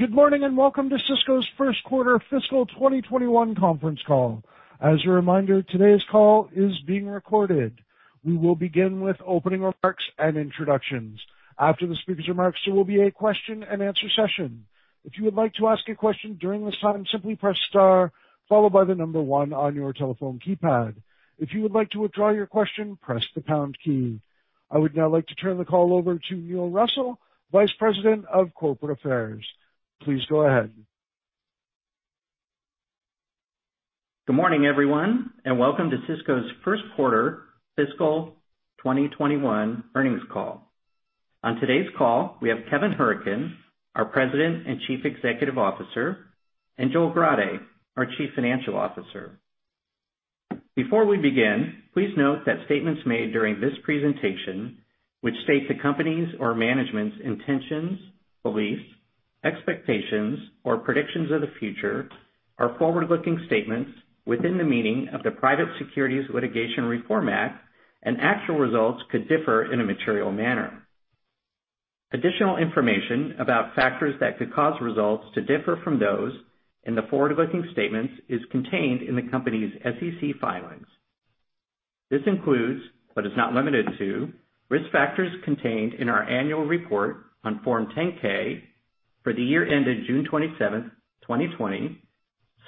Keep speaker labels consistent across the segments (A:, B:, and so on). A: Good morning. Welcome to Sysco's first quarter fiscal 2021 conference call. As a reminder, today's call is being recorded. We will begin with opening remarks and introductions. After the speaker's remarks, there will be a question and answer session. If you would like to ask a question during this time, simply press star followed by the number one on your telephone keypad. If you would like to withdraw your question, press the pound key. I would now like to turn the call over to Neil Russell, Vice President of Corporate Affairs. Please go ahead.
B: Good morning, everyone, and welcome to Sysco's first quarter fiscal 2021 earnings call. On today's call, we have Kevin Hourican, our President and Chief Executive Officer, and Joel Grade, our Chief Financial Officer. Before we begin, please note that statements made during this presentation, which state the company's or management's intentions, beliefs, expectations, or predictions of the future are forward-looking statements within the meaning of the Private Securities Litigation Reform Act of 1995 and actual results could differ in a material manner. Additional information about factors that could cause results to differ from those in the forward-looking statements is contained in the company's SEC filings. This includes, but is not limited to risk factors contained in our annual report on Form 10-K for the year ended June 27th, 2020,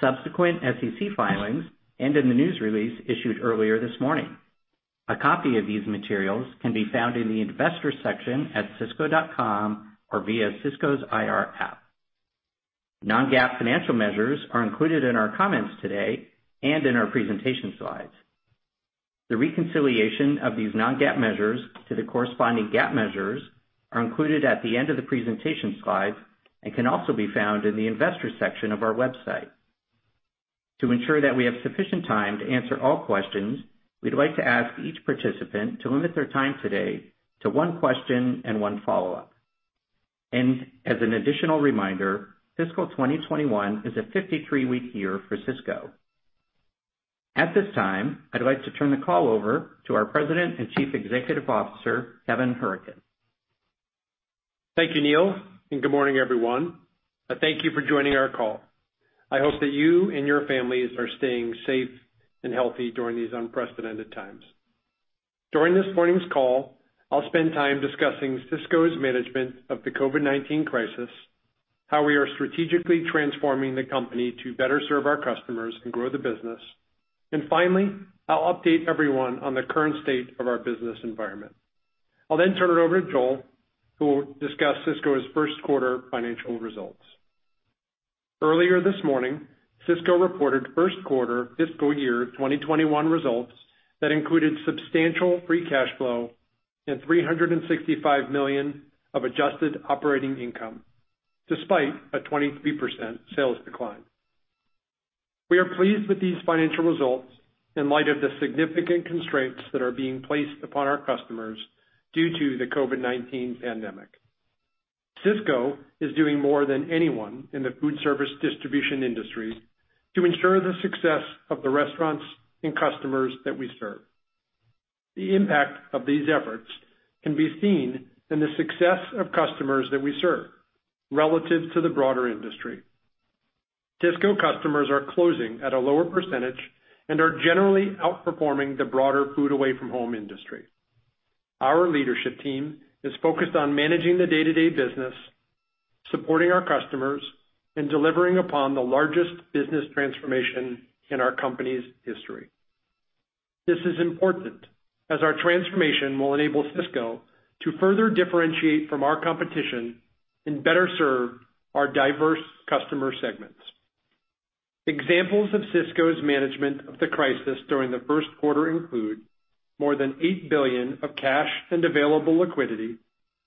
B: subsequent SEC filings, and in the news release issued earlier this morning. A copy of these materials can be found in the investor section at sysco.com or via Sysco's IR app. Non-GAAP financial measures are included in our comments today and in our presentation slides. The reconciliation of these non-GAAP measures to the corresponding GAAP measures are included at the end of the presentation slides and can also be found in the investor section of our website. To ensure that we have sufficient time to answer all questions, we'd like to ask each participant to limit their time today to one question and one follow-up. As an additional reminder, fiscal 2021 is a 53-week year for Sysco. At this time, I'd like to turn the call over to our President and Chief Executive Officer, Kevin Hourican.
C: Thank you, Neil, and good morning, everyone. Thank you for joining our call. I hope that you and your families are staying safe and healthy during these unprecedented times. During this morning's call, I'll spend time discussing Sysco's management of the COVID-19 crisis, how we are strategically transforming the company to better serve our customers and grow the business, and finally, I'll update everyone on the current state of our business environment. I'll then turn it over to Joel, who will discuss Sysco's first quarter financial results. Earlier this morning, Sysco reported first quarter fiscal year 2021 results that included substantial free cash flow and $365 million of adjusted operating income despite a 23% sales decline. We are pleased with these financial results in light of the significant constraints that are being placed upon our customers due to the COVID-19 pandemic. Sysco is doing more than anyone in the food service distribution industry to ensure the success of the restaurants and customers that we serve. The impact of these efforts can be seen in the success of customers that we serve relative to the broader industry. Sysco customers are closing at a lower percentage and are generally outperforming the broader food away from home industry. Our leadership team is focused on managing the day-to-day business, supporting our customers, and delivering upon the largest business transformation in our company's history. This is important as our transformation will enable Sysco to further differentiate from our competition and better serve our diverse customer segments. Examples of Sysco's management of the crisis during the first quarter include more than $8 billion of cash and available liquidity,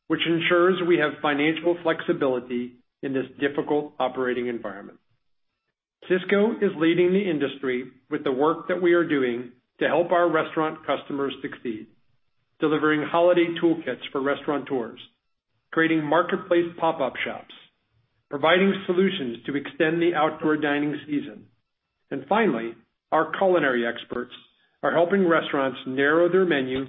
C: which ensures we have financial flexibility in this difficult operating environment. Sysco is leading the industry with the work that we are doing to help our restaurant customers succeed, delivering holiday toolkits for restaurateurs, creating marketplace pop-up shops, providing solutions to extend the outdoor dining season. Finally, our culinary experts are helping restaurants narrow their menu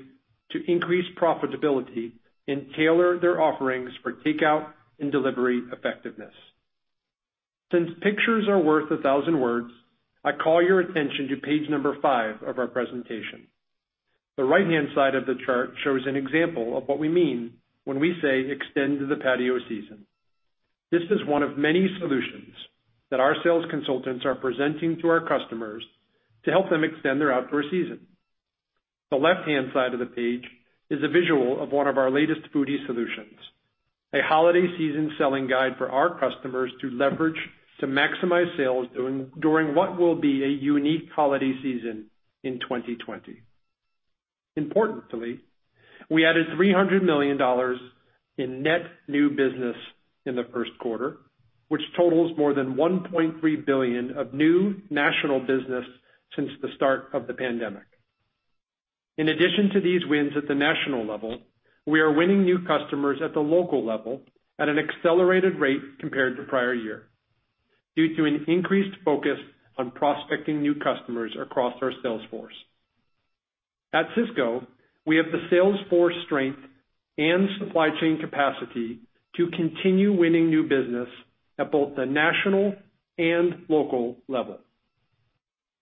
C: to increase profitability and tailor their offerings for takeout and delivery effectiveness. Since pictures are worth a thousand words, I call your attention to page number five of our presentation. The right-hand side of the chart shows an example of what we mean when we say extend the patio season. This is one of many solutions that our sales consultants are presenting to our customers to help them extend their outdoor season. The left-hand side of the page is a visual of one of our latest foodie solutions, a holiday season selling guide for our customers to leverage to maximize sales during what will be a unique holiday season in 2020. Importantly, we added $300 million in net new business in the first quarter, which totals more than $1.3 billion of new national business since the start of the pandemic. In addition to these wins at the national level, we are winning new customers at the local level at an accelerated rate compared to prior year due to an increased focus on prospecting new customers across our sales force. At Sysco, we have the sales force strength and supply chain capacity to continue winning new business at both the national and local level.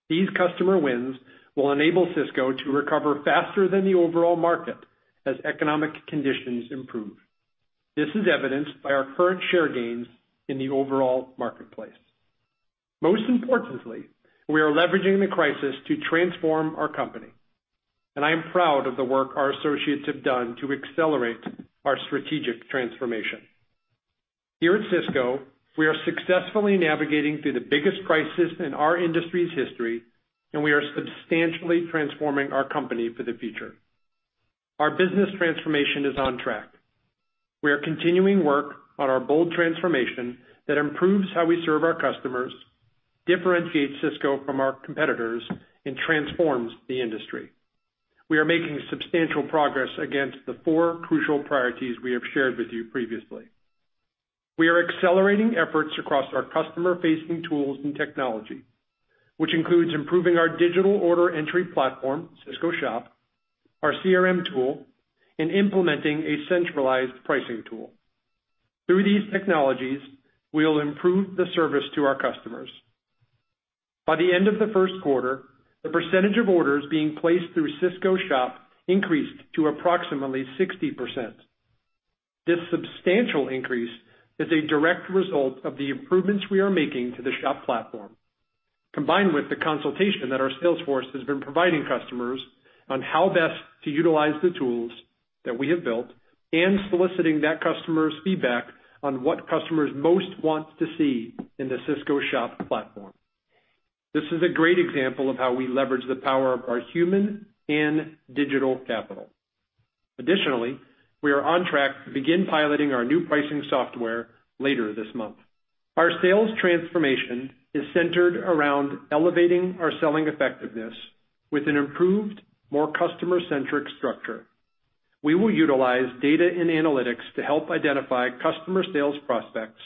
C: These customer wins will enable Sysco to recover faster than the overall market as economic conditions improve. This is evidenced by our current share gains in the overall marketplace. We are leveraging the crisis to transform our company, and I am proud of the work our associates have done to accelerate our strategic transformation. Here at Sysco, we are successfully navigating through the biggest crisis in our industry's history, and we are substantially transforming our company for the future. Our business transformation is on track. We are continuing work on our bold transformation that improves how we serve our customers, differentiates Sysco from our competitors, and transforms the industry. We are making substantial progress against the four crucial priorities we have shared with you previously. We are accelerating efforts across our customer-facing tools and technology, which includes improving our digital order entry platform, Sysco Shop, our CRM tool, and implementing a centralized pricing tool. Through these technologies, we will improve the service to our customers. By the end of the first quarter, the percentage of orders being placed through Sysco Shop increased to approximately 60%. This substantial increase is a direct result of the improvements we are making to the Shop platform, combined with the consultation that our sales force has been providing customers on how best to utilize the tools that we have built and soliciting that customer's feedback on what customers most want to see in the Sysco Shop platform. This is a great example of how we leverage the power of our human and digital capital. Additionally, we are on track to begin piloting our new pricing software later this month. Our sales transformation is centered around elevating our selling effectiveness with an improved, more customer-centric structure. We will utilize data and analytics to help identify customer sales prospects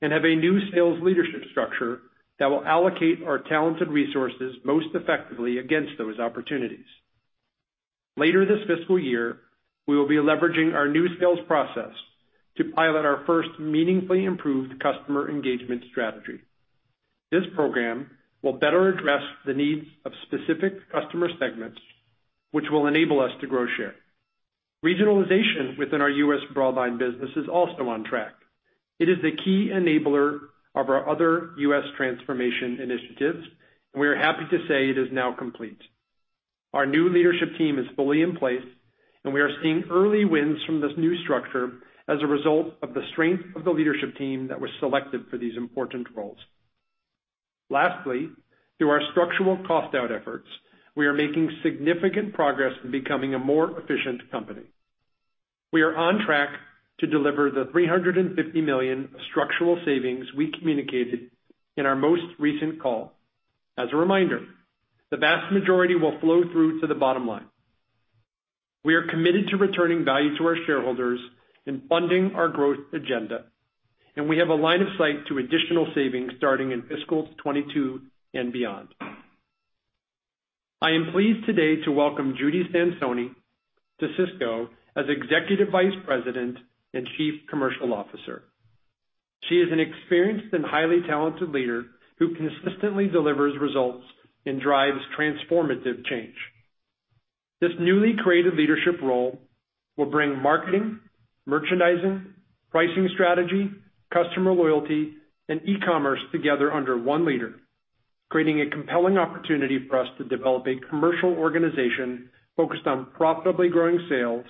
C: and have a new sales leadership structure that will allocate our talented resources most effectively against those opportunities. Later this fiscal year, we will be leveraging our new sales process to pilot our first meaningfully improved customer engagement strategy. This program will better address the needs of specific customer segments, which will enable us to grow share. Regionalization within our U.S. Broadline business is also on track. It is the key enabler of our other U.S. transformation initiatives, and we are happy to say it is now complete. Our new leadership team is fully in place, and we are seeing early wins from this new structure as a result of the strength of the leadership team that was selected for these important roles. Lastly, through our structural cost-out efforts, we are making significant progress in becoming a more efficient company. We are on track to deliver the $350 million structural savings we communicated in our most recent call. As a reminder, the vast majority will flow through to the bottom line. We are committed to returning value to our shareholders and funding our growth agenda, and we have a line of sight to additional savings starting in fiscal 2022 and beyond. I am pleased today to welcome Judith Sansone to Sysco as Executive Vice President and Chief Commercial Officer. She is an experienced and highly talented leader who consistently delivers results and drives transformative change. This newly created leadership role will bring marketing, merchandising, pricing strategy, customer loyalty, and e-commerce together under one leader, creating a compelling opportunity for us to develop a commercial organization focused on profitably growing sales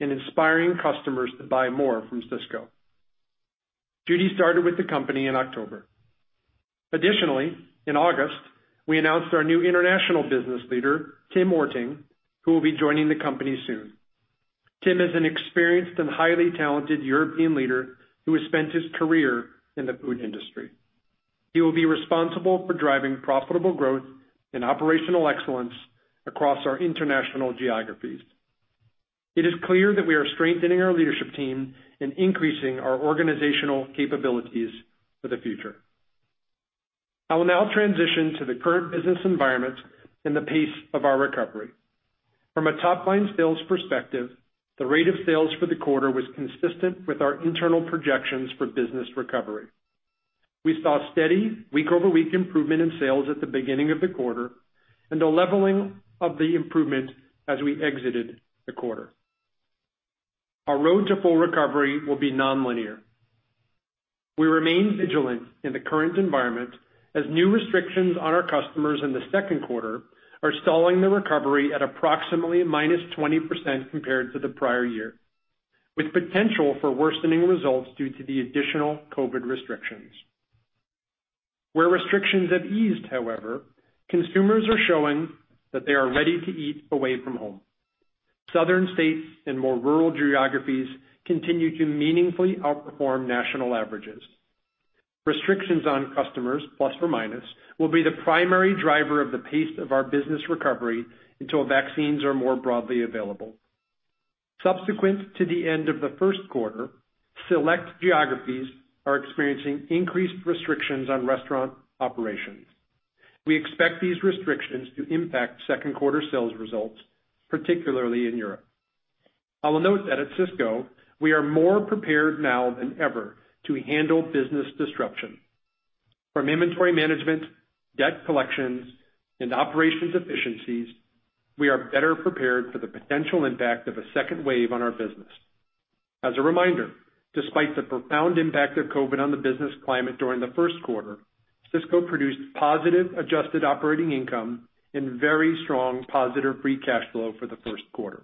C: and inspiring customers to buy more from Sysco. Judy started with the company in October. Additionally, in August, we announced our new international business leader, Tim Ørting, who will be joining the company soon. Tim is an experienced and highly talented European leader who has spent his career in the food industry. He will be responsible for driving profitable growth and operational excellence across our international geographies. It is clear that we are strengthening our leadership team and increasing our organizational capabilities for the future. I will now transition to the current business environment and the pace of our recovery. From a top-line sales perspective, the rate of sales for the quarter was consistent with our internal projections for business recovery. We saw steady week-over-week improvement in sales at the beginning of the quarter and a leveling of the improvement as we exited the quarter. Our road to full recovery will be nonlinear. We remain vigilant in the current environment as new restrictions on our customers in the second quarter are stalling the recovery at approximately minus 20% compared to the prior year, with potential for worsening results due to the additional COVID restrictions. Where restrictions have eased, however, consumers are showing that they are ready to eat away from home. Southern states and more rural geographies continue to meaningfully outperform national averages. Restrictions on customers, plus or minus, will be the primary driver of the pace of our business recovery until vaccines are more broadly available. Subsequent to the end of the first quarter, select geographies are experiencing increased restrictions on restaurant operations. We expect these restrictions to impact second quarter sales results, particularly in Europe. I will note that at Sysco, we are more prepared now than ever to handle business disruption. From inventory management, debt collections, and operations efficiencies, we are better prepared for the potential impact of a second wave on our business. As a reminder, despite the profound impact of COVID on the business climate during the first quarter, Sysco produced positive adjusted operating income and very strong positive free cash flow for the first quarter.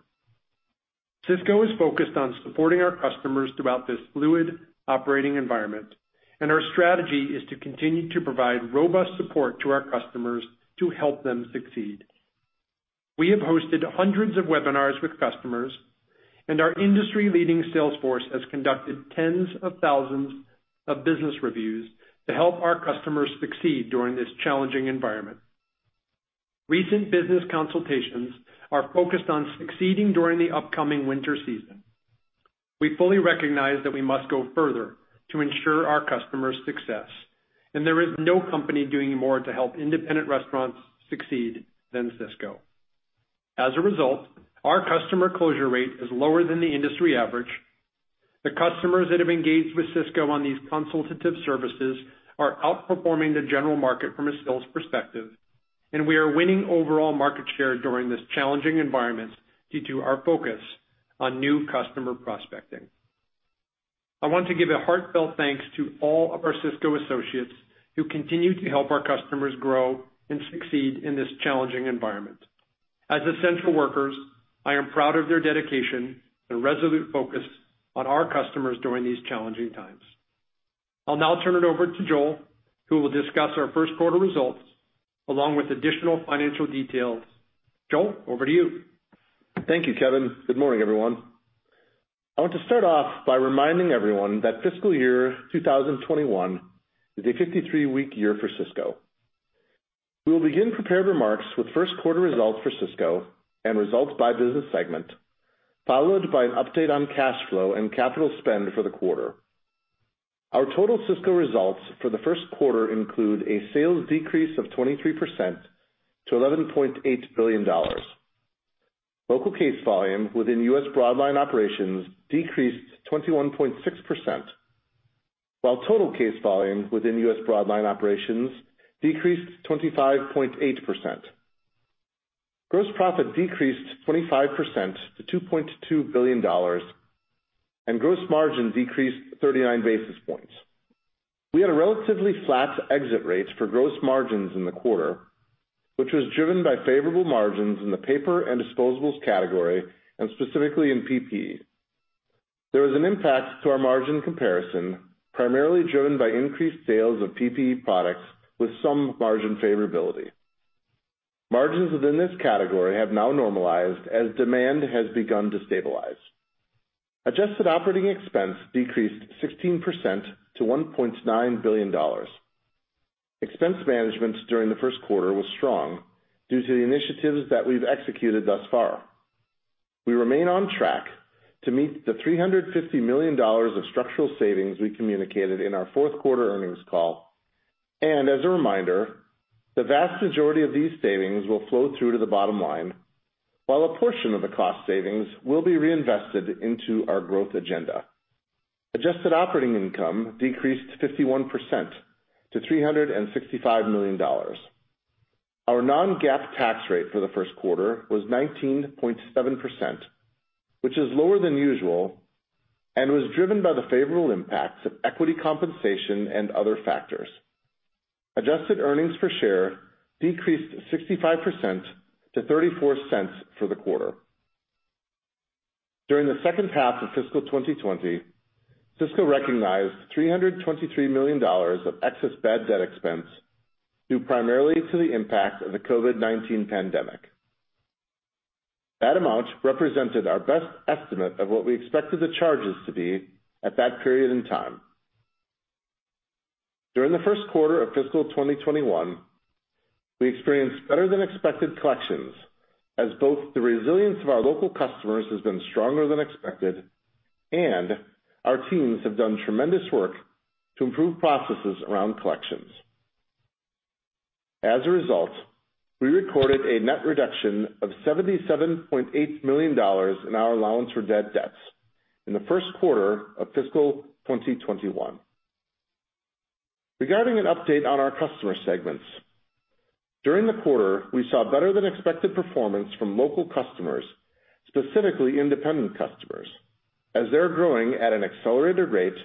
C: Sysco is focused on supporting our customers throughout this fluid operating environment. Our strategy is to continue to provide robust support to our customers to help them succeed. We have hosted hundreds of webinars with customers. Our industry-leading sales force has conducted tens of thousands of business reviews to help our customers succeed during this challenging environment. Recent business consultations are focused on succeeding during the upcoming winter season. We fully recognize that we must go further to ensure our customer's success. There is no company doing more to help independent restaurants succeed than Sysco. As a result, our customer closure rate is lower than the industry average. The customers that have engaged with Sysco on these consultative services are outperforming the general market from a sales perspective. We are winning overall market share during this challenging environment due to our focus on new customer prospecting. I want to give a heartfelt thanks to all of our Sysco associates who continue to help our customers grow and succeed in this challenging environment. As essential workers, I am proud of their dedication and resolute focus on our customers during these challenging times. I'll now turn it over to Joel, who will discuss our first quarter results along with additional financial details. Joel, over to you.
D: Thank you, Kevin. Good morning, everyone. I want to start off by reminding everyone that fiscal year 2021 is a 53-week year for Sysco. We will begin prepared remarks with first quarter results for Sysco and results by business segment, followed by an update on cash flow and capital spend for the quarter. Our total Sysco results for the first quarter include a sales decrease of 23% to $11.8 billion. Local case volume within U.S. Broadline Operations decreased 21.6%, while total case volume within U.S. Broadline Operations decreased 25.8%. Gross profit decreased 25% to $2.2 billion, and gross margin decreased 39 basis points. We had a relatively flat exit rates for gross margins in the quarter, which was driven by favorable margins in the paper and disposables category, and specifically in PPE. There was an impact to our margin comparison, primarily driven by increased sales of PPE products with some margin favorability. Margins within this category have now normalized as demand has begun to stabilize. Adjusted operating expense decreased 16% to $1.9 billion. Expense management during the first quarter was strong due to the initiatives that we've executed thus far. We remain on track to meet the $350 million of structural savings we communicated in our fourth quarter earnings call. As a reminder, the vast majority of these savings will flow through to the bottom line, while a portion of the cost savings will be reinvested into our growth agenda. Adjusted operating income decreased 51% to $365 million. Our non-GAAP tax rate for the first quarter was 19.7%, which is lower than usual and was driven by the favorable impacts of equity compensation and other factors. Adjusted earnings per share decreased 65% to $0.34 for the quarter. During the second half of fiscal 2020, Sysco recognized $323 million of excess bad debt expense, due primarily to the impact of the COVID-19 pandemic. That amount represented our best estimate of what we expected the charges to be at that period in time. During the first quarter of fiscal 2021, we experienced better than expected collections as both the resilience of our local customers has been stronger than expected, and our teams have done tremendous work to improve processes around collections. As a result, we recorded a net reduction of $77.8 million in our allowance for bad debts in the first quarter of fiscal 2021. Regarding an update on our customer segments, during the quarter, we saw better than expected performance from local customers, specifically independent customers, as they're growing at an accelerated rate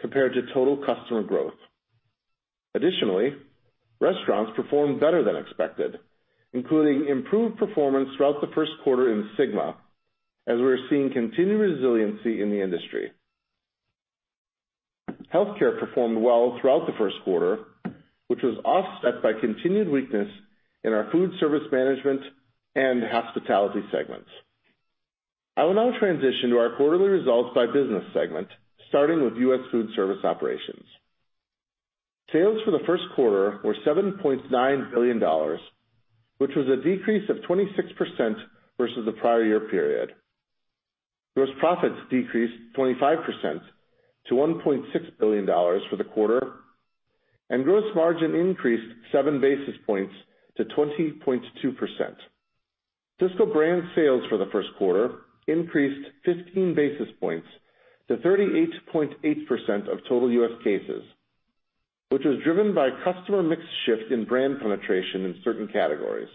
D: compared to total customer growth. Restaurants performed better than expected, including improved performance throughout the first quarter in SYGMA, as we are seeing continued resiliency in the industry. Healthcare performed well throughout the first quarter, which was offset by continued weakness in our food service management and hospitality segments. I will now transition to our quarterly results by business segment, starting with U.S. Foodservice Operations. Sales for the first quarter were $7.9 billion, which was a decrease of 26% versus the prior year period. Gross profits decreased 25% to $1.6 billion for the quarter, and gross margin increased seven basis points to 20.2%. Sysco Brand sales for the first quarter increased 15 basis points to 38.8% of total U.S. cases, which was driven by customer mix shift in brand penetration in certain categories.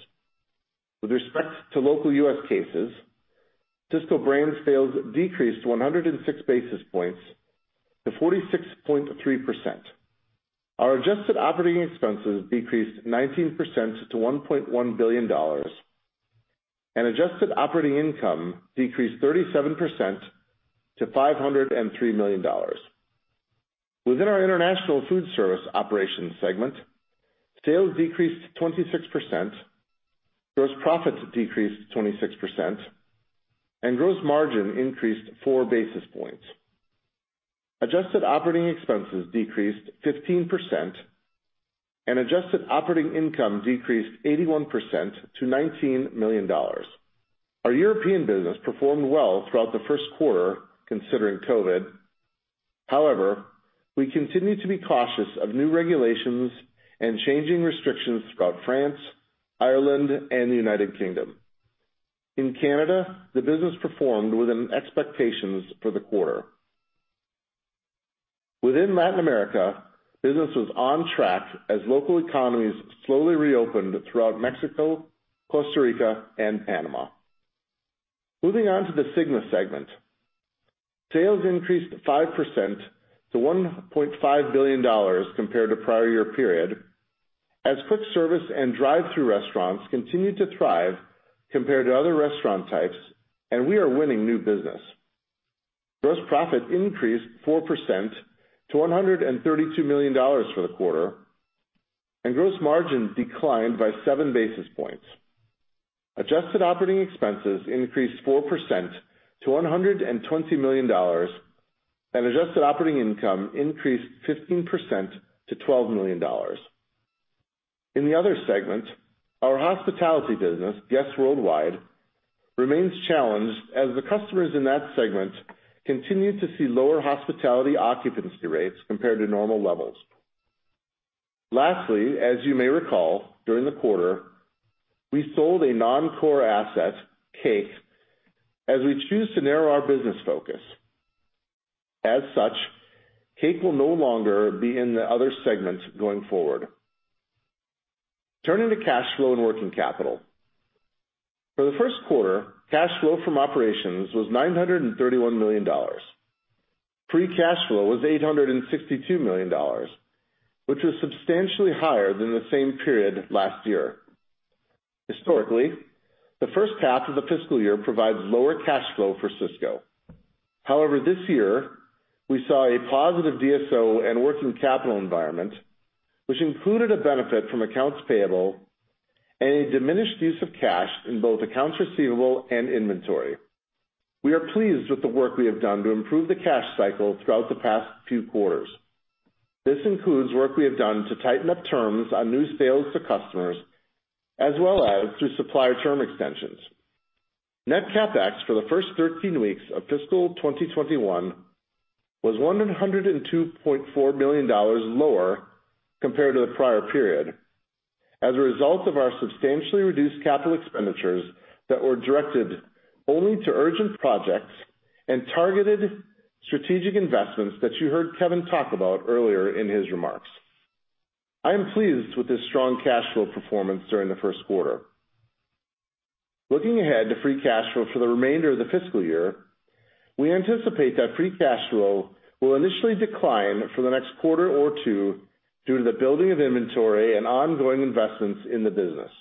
D: With respect to local U.S. cases, Sysco Brands sales decreased 106 basis points to 46.3%. Our adjusted operating expenses decreased 19% to $1.1 billion, and adjusted operating income decreased 37% to $503 million. Within our International Foodservice Operations segment, sales decreased 26%, gross profits decreased 26%, and gross margin increased four basis points. Adjusted operating expenses decreased 15%, and adjusted operating income decreased 81% to $19 million. Our European business performed well throughout the first quarter, considering COVID. However, we continue to be cautious of new regulations and changing restrictions throughout France, Ireland, and the United Kingdom. In Canada, the business performed within expectations for the quarter. Within Latin America, business was on track as local economies slowly reopened throughout Mexico, Costa Rica, and Panama. Moving on to the SYGMA segment. Sales increased 5% to $1.5 billion compared to prior year period, as quick service and drive-through restaurants continued to thrive compared to other restaurant types, and we are winning new business. Gross profit increased 4% to $132 million for the quarter, and gross margin declined by seven basis points. Adjusted operating expenses increased 4% to $120 million, and adjusted operating income increased 15% to $12 million. In the other segment, our hospitality business, Guest Worldwide, remains challenged as the customers in that segment continue to see lower hospitality occupancy rates compared to normal levels. Lastly, as you may recall, during the quarter, we sold a non-core asset, CAKE, as we choose to narrow our business focus. As such, CAKE will no longer be in the other segments going forward. Turning to cash flow and working capital. For the first quarter, cash flow from operations was $931 million. Free cash flow was $862 million, which was substantially higher than the same period last year. Historically, the first half of the fiscal year provides lower cash flow for Sysco. However, this year, we saw a positive DSO and working capital environment, which included a benefit from accounts payable and a diminished use of cash in both accounts receivable and inventory. We are pleased with the work we have done to improve the cash cycle throughout the past few quarters. This includes work we have done to tighten up terms on new sales to customers, as well as through supplier term extensions. Net CapEx for the first 13 weeks of fiscal 2021 was $102.4 million lower compared to the prior period as a result of our substantially reduced capital expenditures that were directed only to urgent projects and targeted strategic investments that you heard Kevin talk about earlier in his remarks. I am pleased with this strong cash flow performance during the first quarter. Looking ahead to free cash flow for the remainder of the fiscal year, we anticipate that free cash flow will initially decline for the next quarter or two due to the building of inventory and ongoing investments in the business.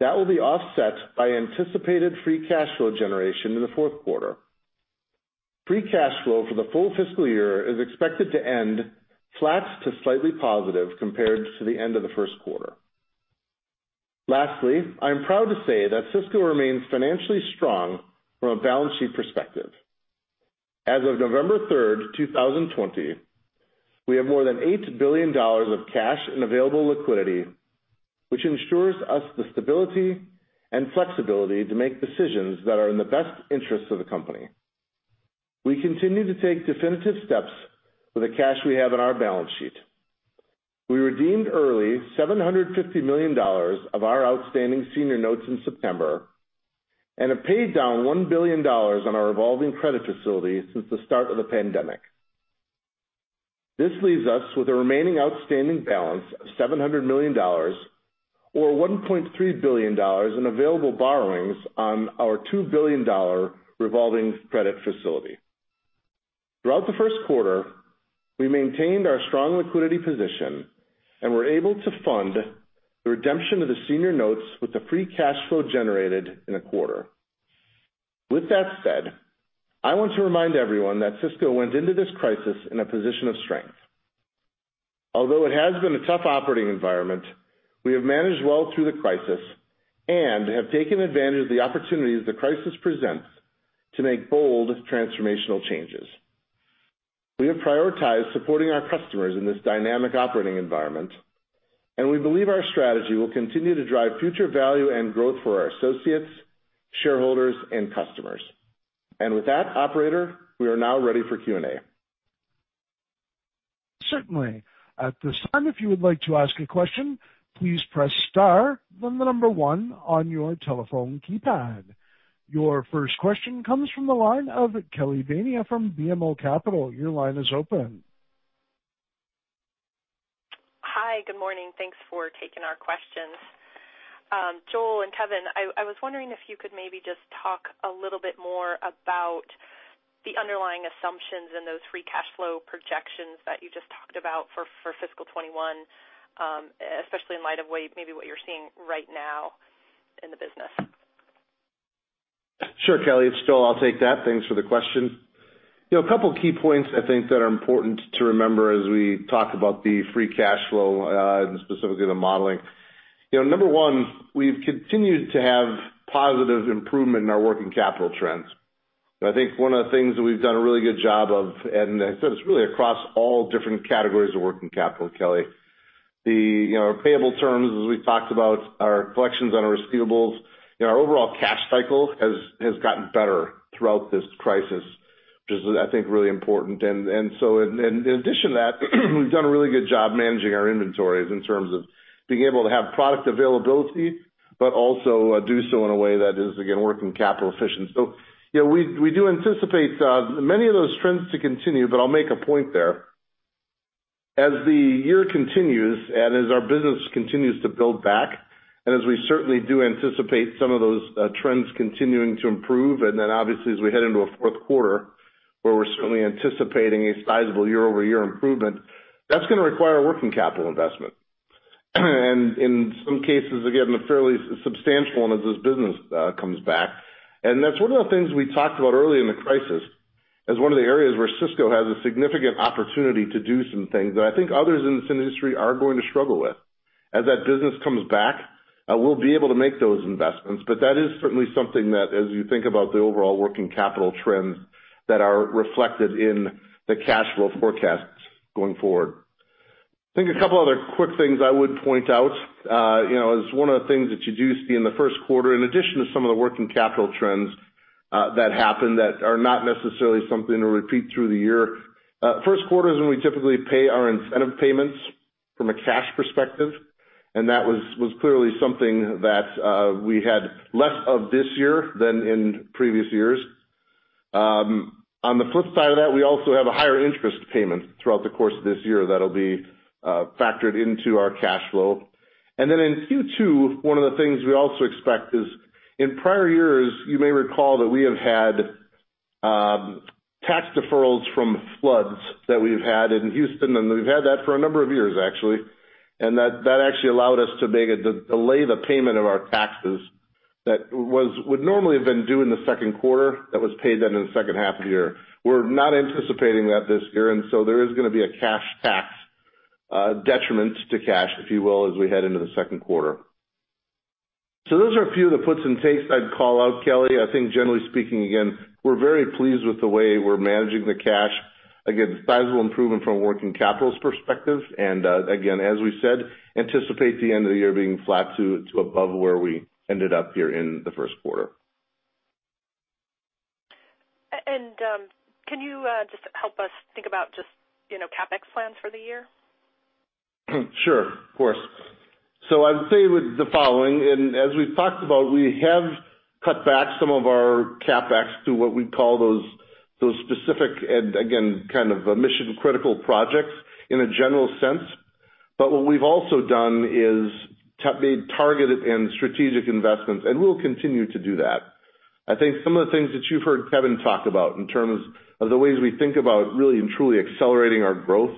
D: That will be offset by anticipated free cash flow generation in the fourth quarter. Free cash flow for the full fiscal year is expected to end flat to slightly positive compared to the end of the first quarter. Lastly, I am proud to say that Sysco remains financially strong from a balance sheet perspective. As of November 3rd, 2020, we have more than $8 billion of cash and available liquidity, which ensures us the stability and flexibility to make decisions that are in the best interest of the company. We continue to take definitive steps with the cash we have on our balance sheet. We redeemed early $750 million of our outstanding senior notes in September and have paid down $1 billion on our revolving credit facility since the start of the pandemic. This leaves us with a remaining outstanding balance of $700 million or $1.3 billion in available borrowings on our $2 billion revolving credit facility. Throughout the first quarter, we maintained our strong liquidity position and were able to fund the redemption of the senior notes with the free cash flow generated in a quarter. With that said, I want to remind everyone that Sysco went into this crisis in a position of strength. Although it has been a tough operating environment, we have managed well through the crisis and have taken advantage of the opportunities the crisis presents to make bold transformational changes. We have prioritized supporting our customers in this dynamic operating environment, and we believe our strategy will continue to drive future value and growth for our associates, shareholders, and customers. With that, operator, we are now ready for Q&A.
A: Certainly. At this time, if you would like to ask a question, please press star, then the number one on your telephone keypad. Your first question comes from the line of Kelly Bania from BMO Capital. Your line is open.
E: Hi. Good morning. Thanks for taking our questions. Joel and Kevin, I was wondering if you could maybe just talk a little bit more about the underlying assumptions and those free cash flow projections that you just talked about for fiscal 2021, especially in light of maybe what you're seeing right now in the business.
D: Sure, Kelly. It's Joel, I'll take that. Thanks for the question. A couple of key points I think that are important to remember as we talk about the free cash flow, and specifically the modeling. Number one, we've continued to have positive improvement in our working capital trends. I think one of the things that we've done a really good job of, and I said it's really across all different categories of working capital, Kelly. Our payable terms, as we've talked about, our collections on our receivables, our overall cash cycle has gotten better throughout this crisis, which is, I think, really important. In addition to that, we've done a really good job managing our inventories in terms of being able to have product availability, but also do so in a way that is, again, working capital efficient. We do anticipate many of those trends to continue, but I'll make a point there. As the year continues, and as our business continues to build back, and as we certainly do anticipate some of those trends continuing to improve, and then obviously as we head into a fourth quarter where we're certainly anticipating a sizable year-over-year improvement, that's going to require working capital investment. In some cases, again, a fairly substantial one as this business comes back. That's one of the things we talked about early in the crisis as one of the areas where Sysco has a significant opportunity to do some things that I think others in this industry are going to struggle with. As that business comes back, we'll be able to make those investments. That is certainly something that as you think about the overall working capital trends that are reflected in the cash flow forecasts going forward. I think a couple other quick things I would point out. One of the things that you do see in the first quarter, in addition to some of the working capital trends that happened that are not necessarily something to repeat through the year. First quarter is when we typically pay our incentive payments from a cash perspective, and that was clearly something that we had less of this year than in previous years. The flip side of that, we also have a higher interest payment throughout the course of this year that'll be factored into our cash flow. Then in Q2, one of the things we also expect is, in prior years, you may recall that we have had tax deferrals from floods that we've had in Houston, and we've had that for a number of years actually. That actually allowed us to delay the payment of our taxes that would normally have been due in the second quarter, that was paid then in the second half of the year. We're not anticipating that this year, and so there is going to be a cash tax detriment to cash, if you will, as we head into the second quarter. Those are a few of the puts and takes I'd call out, Kelly. I think generally speaking, again, we're very pleased with the way we're managing the cash. Again, sizable improvement from a working capital perspective. Again, as we said, anticipate the end of the year being flat to above where we ended up here in the first quarter.
E: Can you just help us think about just CapEx plans for the year?
D: Sure. Of course. I would say the following, and as we've talked about, we have cut back some of our CapEx to what we'd call those specific and again, kind of mission-critical projects in a general sense. What we've also done is made targeted and strategic investments, and we'll continue to do that. I think some of the things that you've heard Kevin talk about in terms of the ways we think about really and truly accelerating our growth,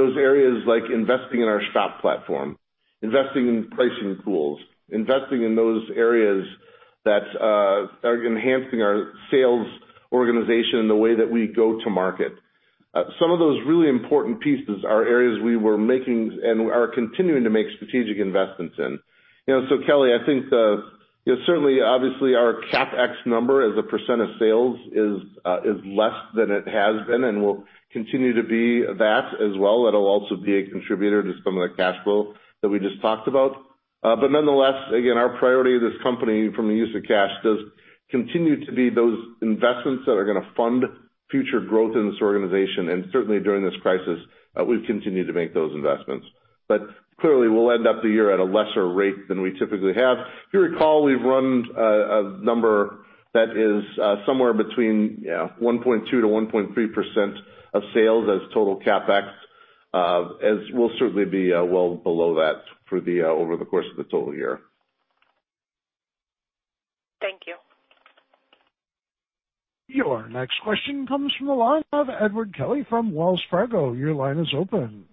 D: those areas like investing in our Shop platform, investing in pricing tools, investing in those areas that are enhancing our sales organization and the way that we go to market. Some of those really important pieces are areas we were making and are continuing to make strategic investments in. Kelly, I think certainly, obviously our CapEx number as a percentage of sales is less than it has been and will continue to be that as well. That'll also be a contributor to some of the cash flow that we just talked about. Nonetheless, again, our priority of this company from a use of cash does continue to be those investments that are going to fund future growth in this organization. Certainly during this crisis, we've continued to make those investments. Clearly, we'll end up the year at a lesser rate than we typically have. If you recall, we've run a number that is somewhere between 1.2%-1.3% of sales as total CapEx. As we'll certainly be well below that over the course of the total year.
E: Thank you.
A: Your next question comes from the line of Edward Kelly from Wells Fargo. Your line is open.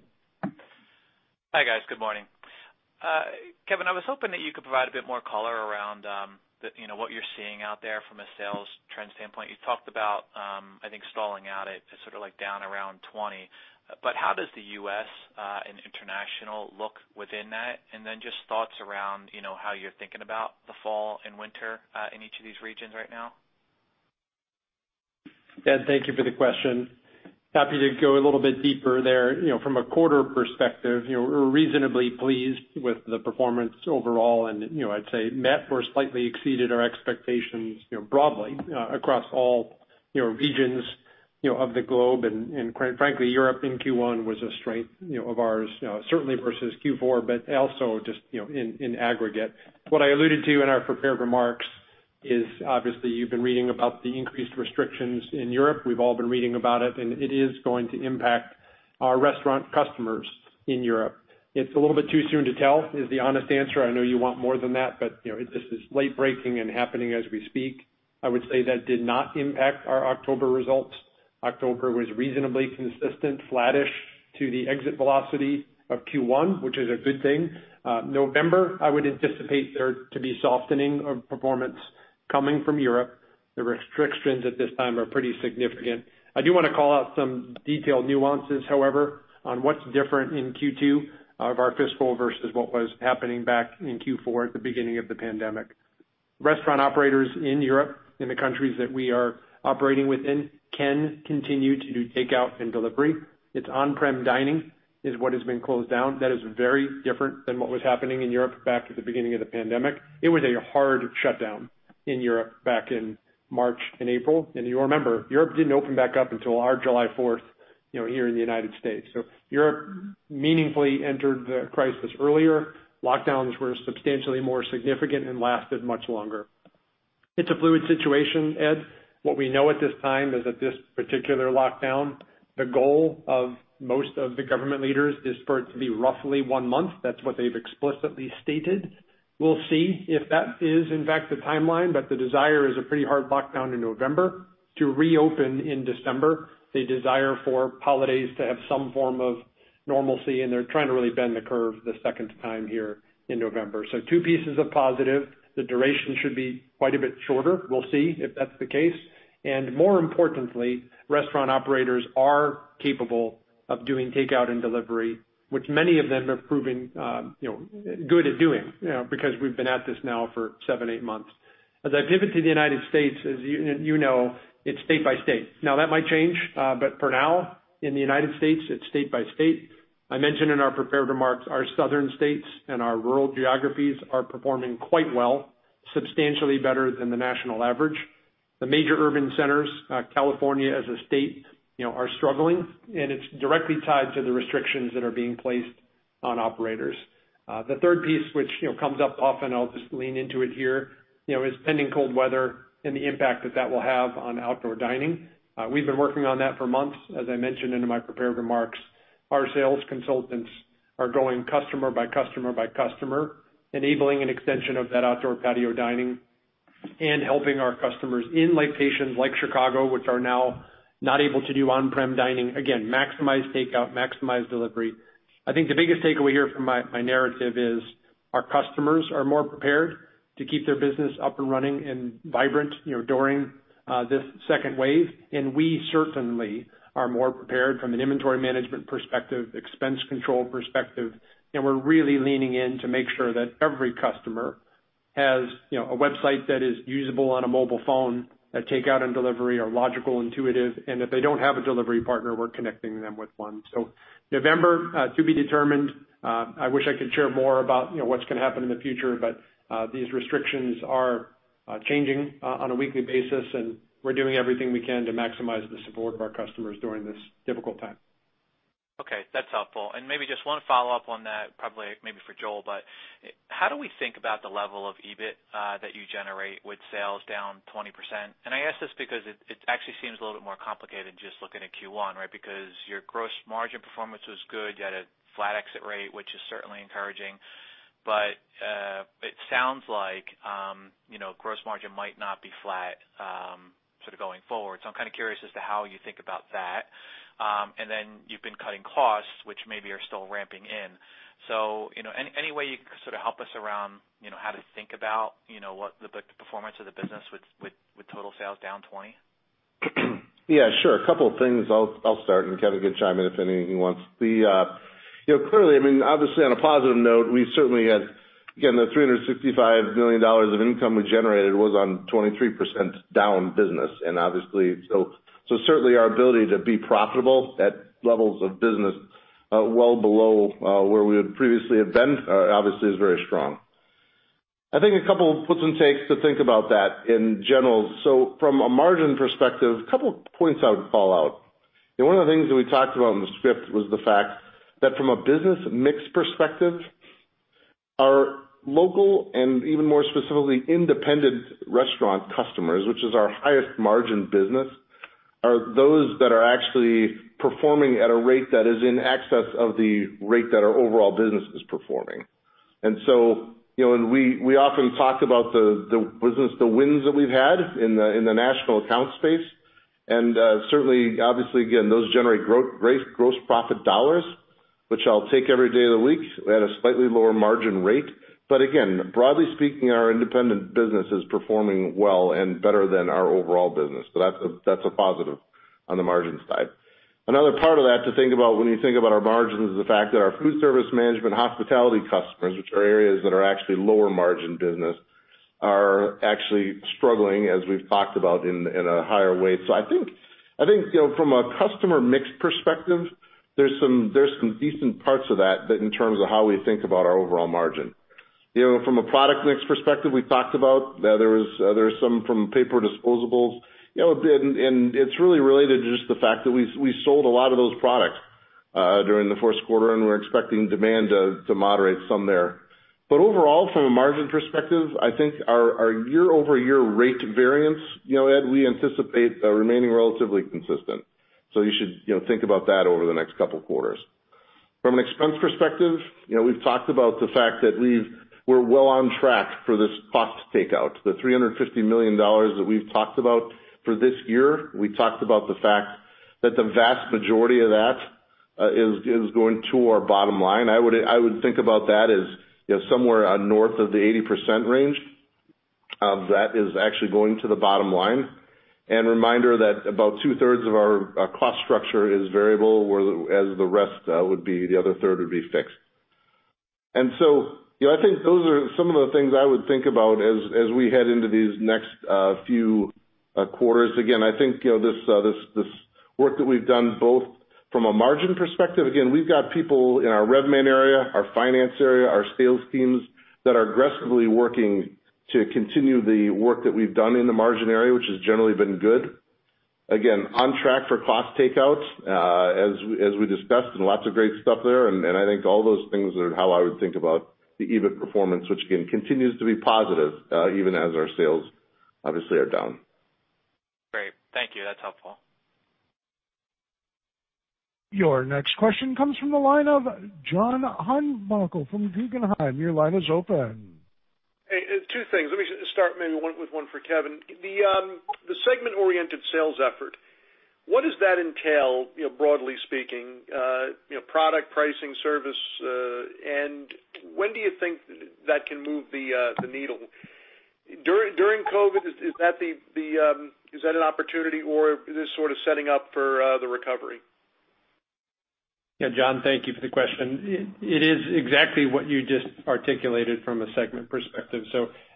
F: Hi, guys. Good morning. Kevin, I was hoping that you could provide a bit more color around what you're seeing out there from a sales trend standpoint. You talked about calling out, it's sort of down around 20%. How does the U.S. and international look within that? Just thoughts around how you're thinking about the fall and winter in each of these regions right now.
C: Ed, thank you for the question. Happy to go a little bit deeper there. From a quarter perspective, we're reasonably pleased with the performance overall and I'd say met or slightly exceeded our expectations broadly across all regions of the globe. Quite frankly, Europe in Q1 was a strength of ours certainly versus Q4, but also just in aggregate. What I alluded to in our prepared remarks is obviously you've been reading about the increased restrictions in Europe. We've all been reading about it is going to impact our restaurant customers in Europe. It's a little bit too soon to tell, is the honest answer. I know you want more than that, this is late breaking and happening as we speak. I would say that did not impact our October results. October was reasonably consistent, flattish to the exit velocity of Q1, which is a good thing. November, I would anticipate there to be softening of performance coming from Europe. The restrictions at this time are pretty significant. I do want to call out some detailed nuances, however, on what's different in Q2 of our fiscal versus what was happening back in Q4 at the beginning of the pandemic. Restaurant operators in Europe, in the countries that we are operating within, can continue to do takeout and delivery. It's on-prem dining is what has been closed down. That is very different than what was happening in Europe back at the beginning of the pandemic. It was a hard shutdown in Europe back in March and April. You'll remember, Europe didn't open back up until our July 4th, here in the United States. Europe meaningfully entered the crisis earlier. Lockdowns were substantially more significant and lasted much longer. It's a fluid situation, Ed. What we know at this time is that this particular lockdown, the goal of most of the government leaders is for it to be roughly one month. That's what they've explicitly stated. We'll see if that is in fact the timeline, but the desire is a pretty hard lockdown in November to reopen in December. They desire for holidays to have some form of normalcy, and they're trying to really bend the curve the second time here in November. Two pieces of positive. The duration should be quite a bit shorter. We'll see if that's the case. More importantly, restaurant operators are capable of doing takeout and delivery, which many of them are proving good at doing, because we've been at this now for seven, eight months. As I pivot to the United States, as you know, it's state by state. That might change, but for now, in the United States, it's state by state. I mentioned in our prepared remarks, our southern states and our rural geographies are performing quite well, substantially better than the national average. The major urban centers, California as a state, are struggling, and it's directly tied to the restrictions that are being placed on operators. The third piece, which comes up often, I'll just lean into it here, is pending cold weather and the impact that that will have on outdoor dining. We've been working on that for months. As I mentioned in my prepared remarks, our sales consultants are going customer by customer by customer, enabling an extension of that outdoor patio dining and helping our customers in locations like Chicago, which are now not able to do on-prem dining. Maximize takeout, maximize delivery. I think the biggest takeaway here from my narrative is our customers are more prepared to keep their business up and running and vibrant during this second wave. We certainly are more prepared from an inventory management perspective, expense control perspective. We're really leaning in to make sure that every customer has a website that is usable on a mobile phone, that takeout and delivery are logical, intuitive, and if they don't have a delivery partner, we're connecting them with one. November, to be determined. I wish I could share more about what's going to happen in the future, but these restrictions are changing on a weekly basis, and we're doing everything we can to maximize the support of our customers during this difficult time.
F: Okay, that's helpful. Maybe just one follow-up on that, probably maybe for Joel. How do we think about the level of EBIT that you generate with sales down 20%? I ask this because it actually seems a little bit more complicated than just looking at Q1, right? Your gross margin performance was good. You had a flat exit rate, which is certainly encouraging. It sounds like gross margin might not be flat going forward. I'm kind of curious as to how you think about that. You've been cutting costs, which maybe are still ramping in. Any way you can sort of help us around how to think about what the performance of the business with total sales down 20%?
D: Yeah, sure. A couple of things. I'll start and Kevin can chime in if anything he wants. Clearly, obviously on a positive note, we certainly had, again, the $365 million of income we generated was on 23% down business, and obviously, so certainly our ability to be profitable at levels of business well below where we would previously have been obviously is very strong. I think a couple of puts and takes to think about that in general. From a margin perspective, a couple points I would call out. One of the things that we talked about in the script was the fact that from a business mix perspective, our local and even more specifically independent restaurant customers, which is our highest margin business, are those that are actually performing at a rate that is in excess of the rate that our overall business is performing. We often talk about the business, the wins that we've had in the national account space, and certainly, obviously again, those generate gross profit dollars, which I'll take every day of the week at a slightly lower margin rate. Broadly speaking, our independent business is performing well and better than our overall business. That's a positive on the margin side. Another part of that to think about when you think about our margins, is the fact that our food service management hospitality customers, which are areas that are actually lower margin business, are actually struggling, as we've talked about, in a higher way. I think from a customer mix perspective, there's some decent parts of that that in terms of how we think about our overall margin. From a product mix perspective, we've talked about, there's some from paper disposables. It's really related to just the fact that we sold a lot of those products during the first quarter, and we're expecting demand to moderate some there. Overall, from a margin perspective, I think our year-over-year rate variance, Ed, we anticipate remaining relatively consistent. You should think about that over the next couple of quarters. From an expense perspective, we've talked about the fact that we're well on track for this cost takeout. The $350 million that we've talked about for this year, we talked about the fact that the vast majority of that is going to our bottom line. I would think about that as somewhere north of the 80% range of that is actually going to the bottom line. A reminder that about two-thirds of our cost structure is variable, whereas the other third would be fixed. I think those are some of the things I would think about as we head into these next few quarters. Again, I think, this work that we've done, both from a margin perspective. Again, we've got people in our revenue management area, our finance area, our sales teams that are aggressively working to continue the work that we've done in the margin area, which has generally been good. Again, on track for cost takeouts as we discussed, and lots of great stuff there. I think all those things are how I would think about the EBIT performance, which again, continues to be positive even as our sales obviously are down.
F: Great. Thank you. That's helpful.
A: Your next question comes from the line of John Heinbockel from Guggenheim. Your line is open.
G: Hey, two things. Let me just start maybe with one for Kevin. The segment-oriented sales effort, what does that entail broadly speaking, product pricing, service, and when do you think that can move the needle? During COVID, is that an opportunity or this sort of setting up for the recovery?
C: Yeah, John, thank you for the question. It is exactly what you just articulated from a segment perspective.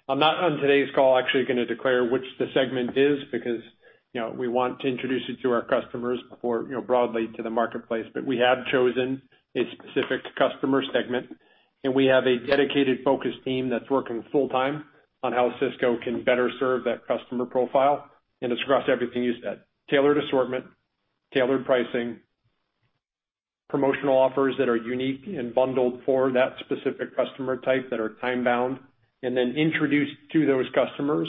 C: I'm not on today's call actually going to declare which the segment is because we want to introduce it to our customers before broadly to the marketplace. We have chosen a specific customer segment, and we have a dedicated focus team that's working full time on how Sysco can better serve that customer profile and it's across everything you said. Tailored assortment, tailored pricing, promotional offers that are unique and bundled for that specific customer type that are time bound, and then introduced to those customers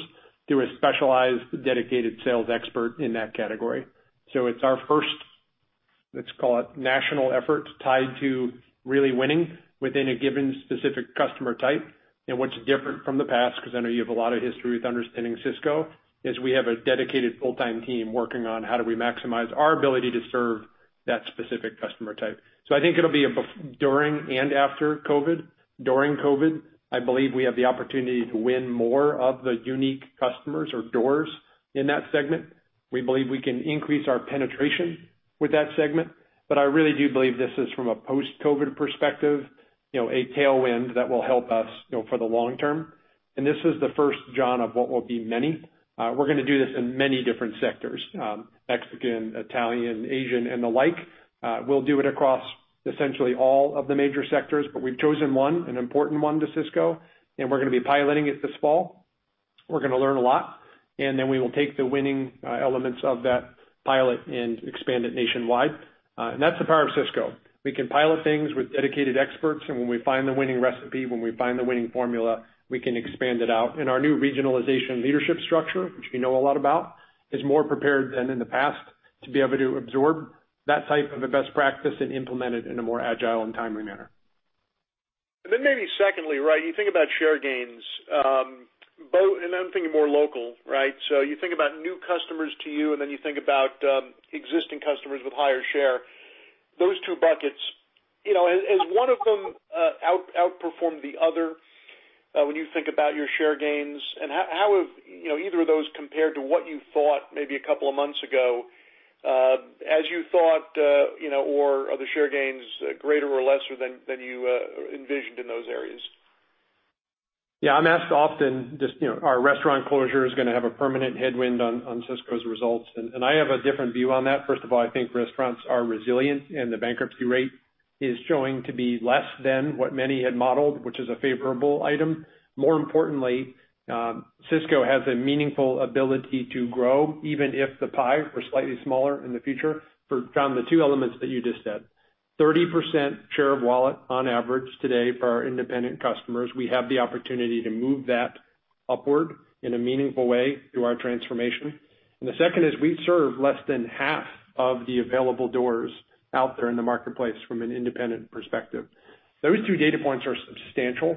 C: through a specialized, dedicated sales expert in that category. It's our first, let's call it national effort tied to really winning within a given specific customer type. What's different from the past, because I know you have a lot of history with understanding Sysco, is we have a dedicated full-time team working on how do we maximize our ability to serve that specific customer type. I think it'll be during and after COVID. During COVID, I believe we have the opportunity to win more of the unique customers or doors in that segment. We believe we can increase our penetration with that segment. I really do believe this is from a post-COVID perspective, a tailwind that will help us for the long term. This is the first, John, of what will be many. We're going to do this in many different sectors. Mexican, Italian, Asian, and the like. We'll do it across essentially all of the major sectors, but we've chosen one, an important one to Sysco, and we're going to be piloting it this fall. We're going to learn a lot, then we will take the winning elements of that pilot and expand it nationwide. That's the power of Sysco. We can pilot things with dedicated experts, and when we find the winning recipe, when we find the winning formula, we can expand it out. Our new regionalization leadership structure, which we know a lot about, is more prepared than in the past to be able to absorb that type of a best practice and implement it in a more agile and timely manner.
G: Maybe secondly, you think about share gains. I'm thinking more local. You think about new customers to you, and then you think about existing customers with higher share. Those two buckets, has one of them outperformed the other when you think about your share gains? How have either of those compared to what you thought maybe a couple of months ago as you thought or are the share gains greater or lesser than you envisioned in those areas?
C: Yeah, I'm asked often, are restaurant closures going to have a permanent headwind on Sysco's results? I have a different view on that. First of all, I think restaurants are resilient, and the bankruptcy rate is showing to be less than what many had modeled, which is a favorable item. More importantly, Sysco has a meaningful ability to grow, even if the pie were slightly smaller in the future. John, the two elements that you just said. 30% share of wallet on average today for our independent customers. We have the opportunity to move that upward in a meaningful way through our transformation. The second is we serve less than half of the available doors out there in the marketplace from an independent perspective. Those two data points are substantial.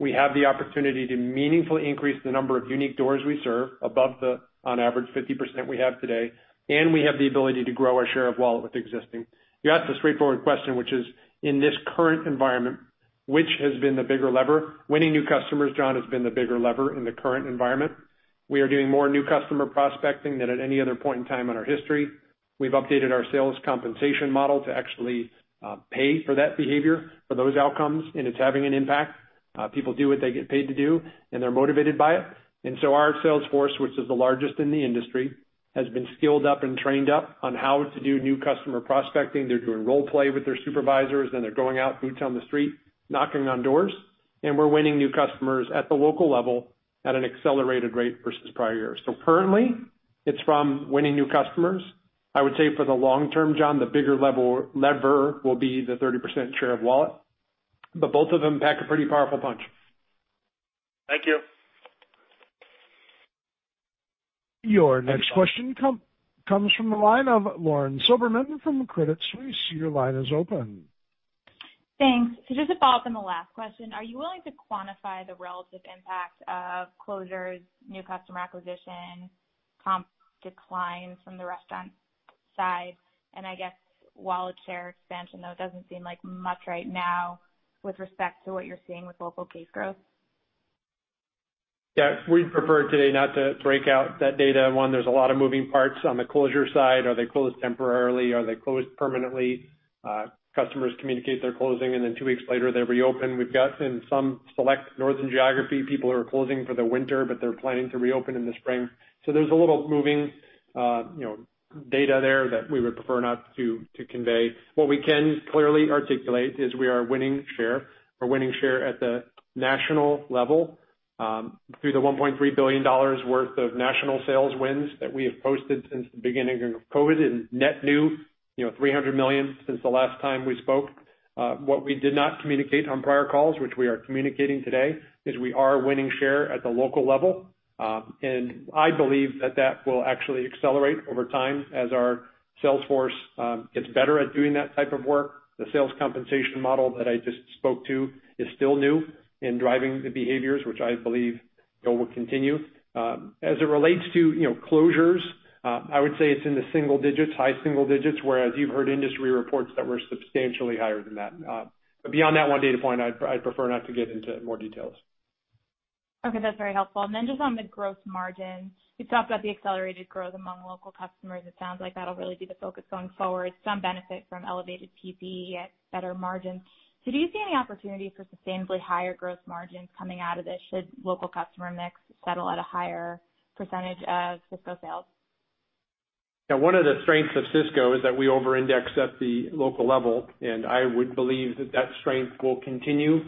C: We have the opportunity to meaningfully increase the number of unique doors we serve above the on average 50% we have today, and we have the ability to grow our share of wallet with existing. You asked a straightforward question, which is, in this current environment. Which has been the bigger lever? Winning new customers, John, has been the bigger lever in the current environment. We are doing more new customer prospecting than at any other point in time in our history. We've updated our sales compensation model to actually pay for that behavior for those outcomes, and it's having an impact. People do what they get paid to do, and they're motivated by it. Our sales force, which is the largest in the industry, has been skilled up and trained up on how to do new customer prospecting. They're doing role-play with their supervisors, then they're going out boot on the street, knocking on doors, and we're winning new customers at the local level at an accelerated rate versus prior years. Currently, it's from winning new customers. I would say for the long term, John, the bigger lever will be the 30% share of wallet. Both of them pack a pretty powerful punch.
G: Thank you.
A: Your next question comes from the line of Lauren Silberman from Credit Suisse. Your line is open.
H: Thanks. Just to follow up on the last question, are you willing to quantify the relative impact of closures, new customer acquisition, comp declines from the restaurant side, and I guess wallet share expansion, though it doesn't seem like much right now with respect to what you're seeing with local case growth?
C: We'd prefer today not to break out that data. One, there's a lot of moving parts on the closure side. Are they closed temporarily? Are they closed permanently? Customers communicate they're closing, and then two weeks later, they reopen. We've got in some select northern geography, people who are closing for the winter, but they're planning to reopen in the spring. There's a little moving data there that we would prefer not to convey. What we can clearly articulate is we are winning share. We're winning share at the national level, through the $1.3 billion worth of national sales wins that we have posted since the beginning of COVID, and net new $300 million since the last time we spoke. What we did not communicate on prior calls, which we are communicating today, is we are winning share at the local level. I believe that that will actually accelerate over time as our sales force gets better at doing that type of work. The sales compensation model that I just spoke to is still new in driving the behaviors, which I believe, Joel, will continue. As it relates to closures, I would say it's in the single digits, high single digits, whereas you've heard industry reports that we're substantially higher than that. Beyond that one data point, I'd prefer not to get into more details.
H: Okay, that's very helpful. Then just on the gross margin. You talked about the accelerated growth among local customers. It sounds like that'll really be the focus going forward, some benefit from elevated PPE at better margins. Do you see any opportunity for sustainably higher gross margins coming out of this? Should local customer mix settle at a higher percentage of Sysco sales?
C: Yeah. One of the strengths of Sysco is that we over-index at the local level, and I would believe that that strength will continue,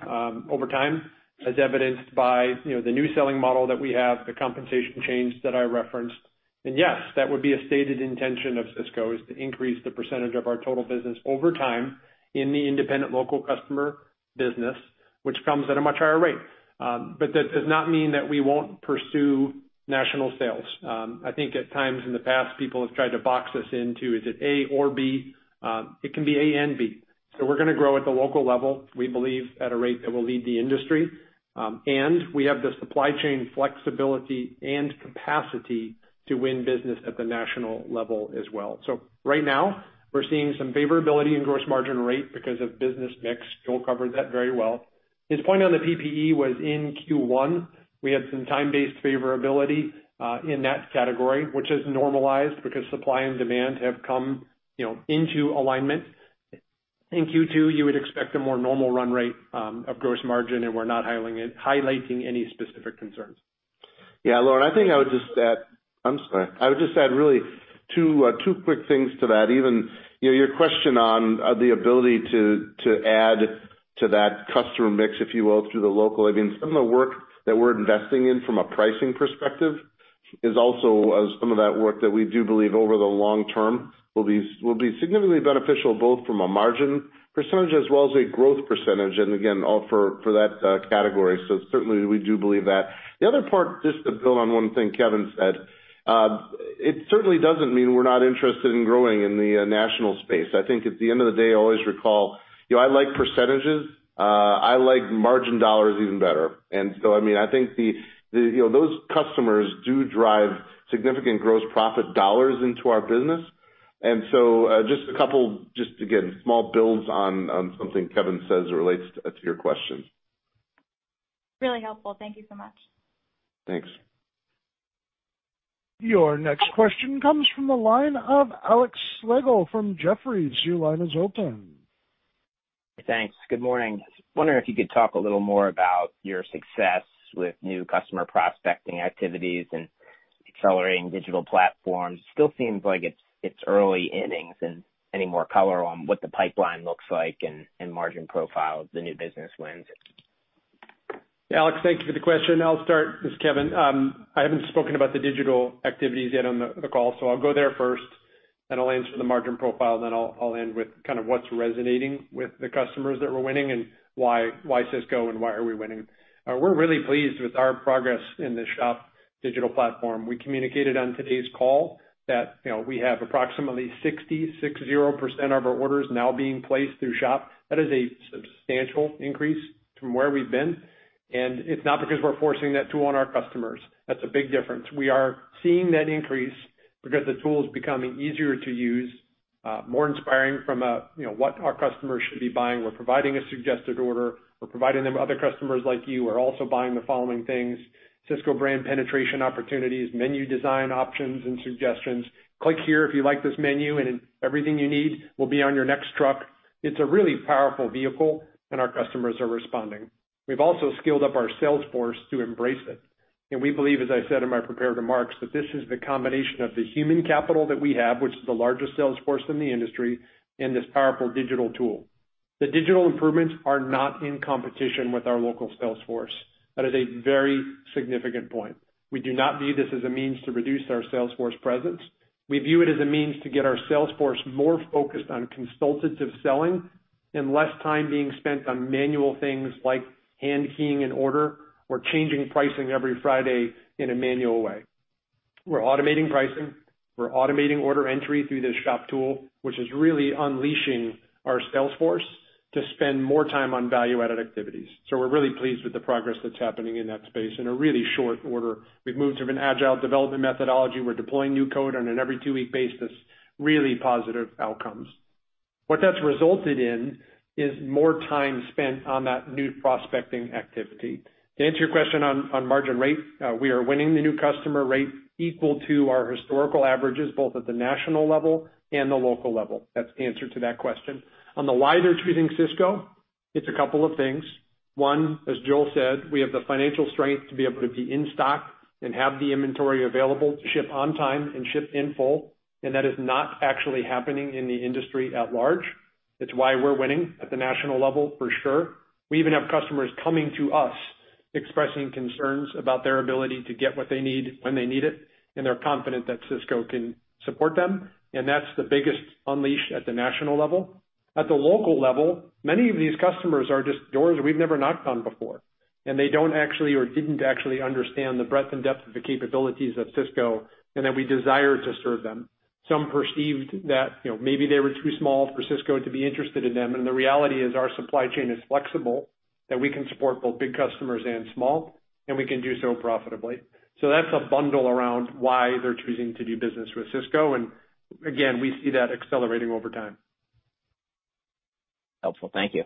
C: over time, as evidenced by the new selling model that we have, the compensation change that I referenced. Yes, that would be a stated intention of Sysco is to increase the percentage of our total business over time in the independent local customer business, which comes at a much higher rate. That does not mean that we won't pursue national sales. I think at times in the past, people have tried to box us into, is it A or B? It can be A and B. We're gonna grow at the local level, we believe at a rate that will lead the industry. We have the supply chain flexibility and capacity to win business at the national level as well. Right now we're seeing some favorability in gross margin rate because of business mix. Joel covered that very well. His point on the PPE was in Q1. We had some time-based favorability in that category, which has normalized because supply and demand have come into alignment. In Q2, you would expect a more normal run rate of gross margin, and we're not highlighting any specific concerns.
D: Lauren, I'm sorry. I would just add really two quick things to that. Even your question on the ability to add to that customer mix, if you will, through the local. Some of the work that we're investing in from a pricing perspective is also some of that work that we do believe over the long term will be significantly beneficial, both from a margin percentage as well as a growth percentage. Again, all for that category. Certainly, we do believe that. The other part, just to build on one thing Kevin said. I think at the end of the day, I always recall, I like percentage. I like margin dollars even better. I think those customers do drive significant gross profit dollars into our business. Just a couple, again, small builds on something Kevin says that relates to your question.
H: Really helpful. Thank you so much.
D: Thanks.
A: Your next question comes from the line of Alexander Slagle from Jefferies. Your line is open.
I: Thanks. Good morning. Wondering if you could talk a little more about your success with new customer prospecting activities and accelerating digital platforms? Still seems like it's early innings and any more color on what the pipeline looks like and margin profile of the new business wins?
C: Alex, thank you for the question. I'll start. This is Kevin. I haven't spoken about the digital activities yet on the call. I'll go there first, then I'll answer the margin profile, then I'll end with kind of what's resonating with the customers that we're winning and why Sysco and why are we winning. We're really pleased with our progress in the SHOP digital platform. We communicated on today's call that we have approximately 60% of our orders now being placed through SHOP. That is a substantial increase from where we've been. It's not because we're forcing that tool on our customers. That's a big difference. We are seeing that increase because the tool is becoming easier to use. More inspiring from what our customers should be buying. We're providing a suggested order. We're providing them other customers like you who are also buying the following things. Sysco Brand penetration opportunities, menu design options and suggestions. Click here if you like this menu, and everything you need will be on your next truck. It's a really powerful vehicle, and our customers are responding. We've also skilled up our sales force to embrace it. We believe, as I said in my prepared remarks, that this is the combination of the human capital that we have, which is the largest sales force in the industry, and this powerful digital tool. The digital improvements are not in competition with our local sales force. That is a very significant point. We do not view this as a means to reduce our sales force presence. We view it as a means to get our sales force more focused on consultative selling and less time being spent on manual things like hand keying an order or changing pricing every Friday in a manual way. We're automating pricing. We're automating order entry through this Sysco Shop tool, which is really unleashing our sales force to spend more time on value-added activities. We're really pleased with the progress that's happening in that space in a really short order. We've moved to an agile development methodology. We're deploying new code on an every two-week basis, really positive outcomes. What that's resulted in is more time spent on that new prospecting activity. To answer your question on margin rate, we are winning the new customer rate equal to our historical averages, both at the national level and the local level. That's the answer to that question. On the why they're choosing Sysco, it's a couple of things. One, as Joel said, we have the financial strength to be able to be in stock and have the inventory available to ship on time and ship in full, and that is not actually happening in the industry at large. It's why we're winning at the national level for sure. We even have customers coming to us expressing concerns about their ability to get what they need when they need it, and they're confident that Sysco can support them, and that's the biggest unleash at the national level. At the local level, many of these customers are just doors we've never knocked on before, and they don't actually or didn't actually understand the breadth and depth of the capabilities of Sysco and that we desire to serve them. Some perceived that maybe they were too small for Sysco to be interested in them. The reality is our supply chain is flexible, that we can support both big customers and small, and we can do so profitably. That's a bundle around why they're choosing to do business with Sysco. Again, we see that accelerating over time.
I: Helpful. Thank you.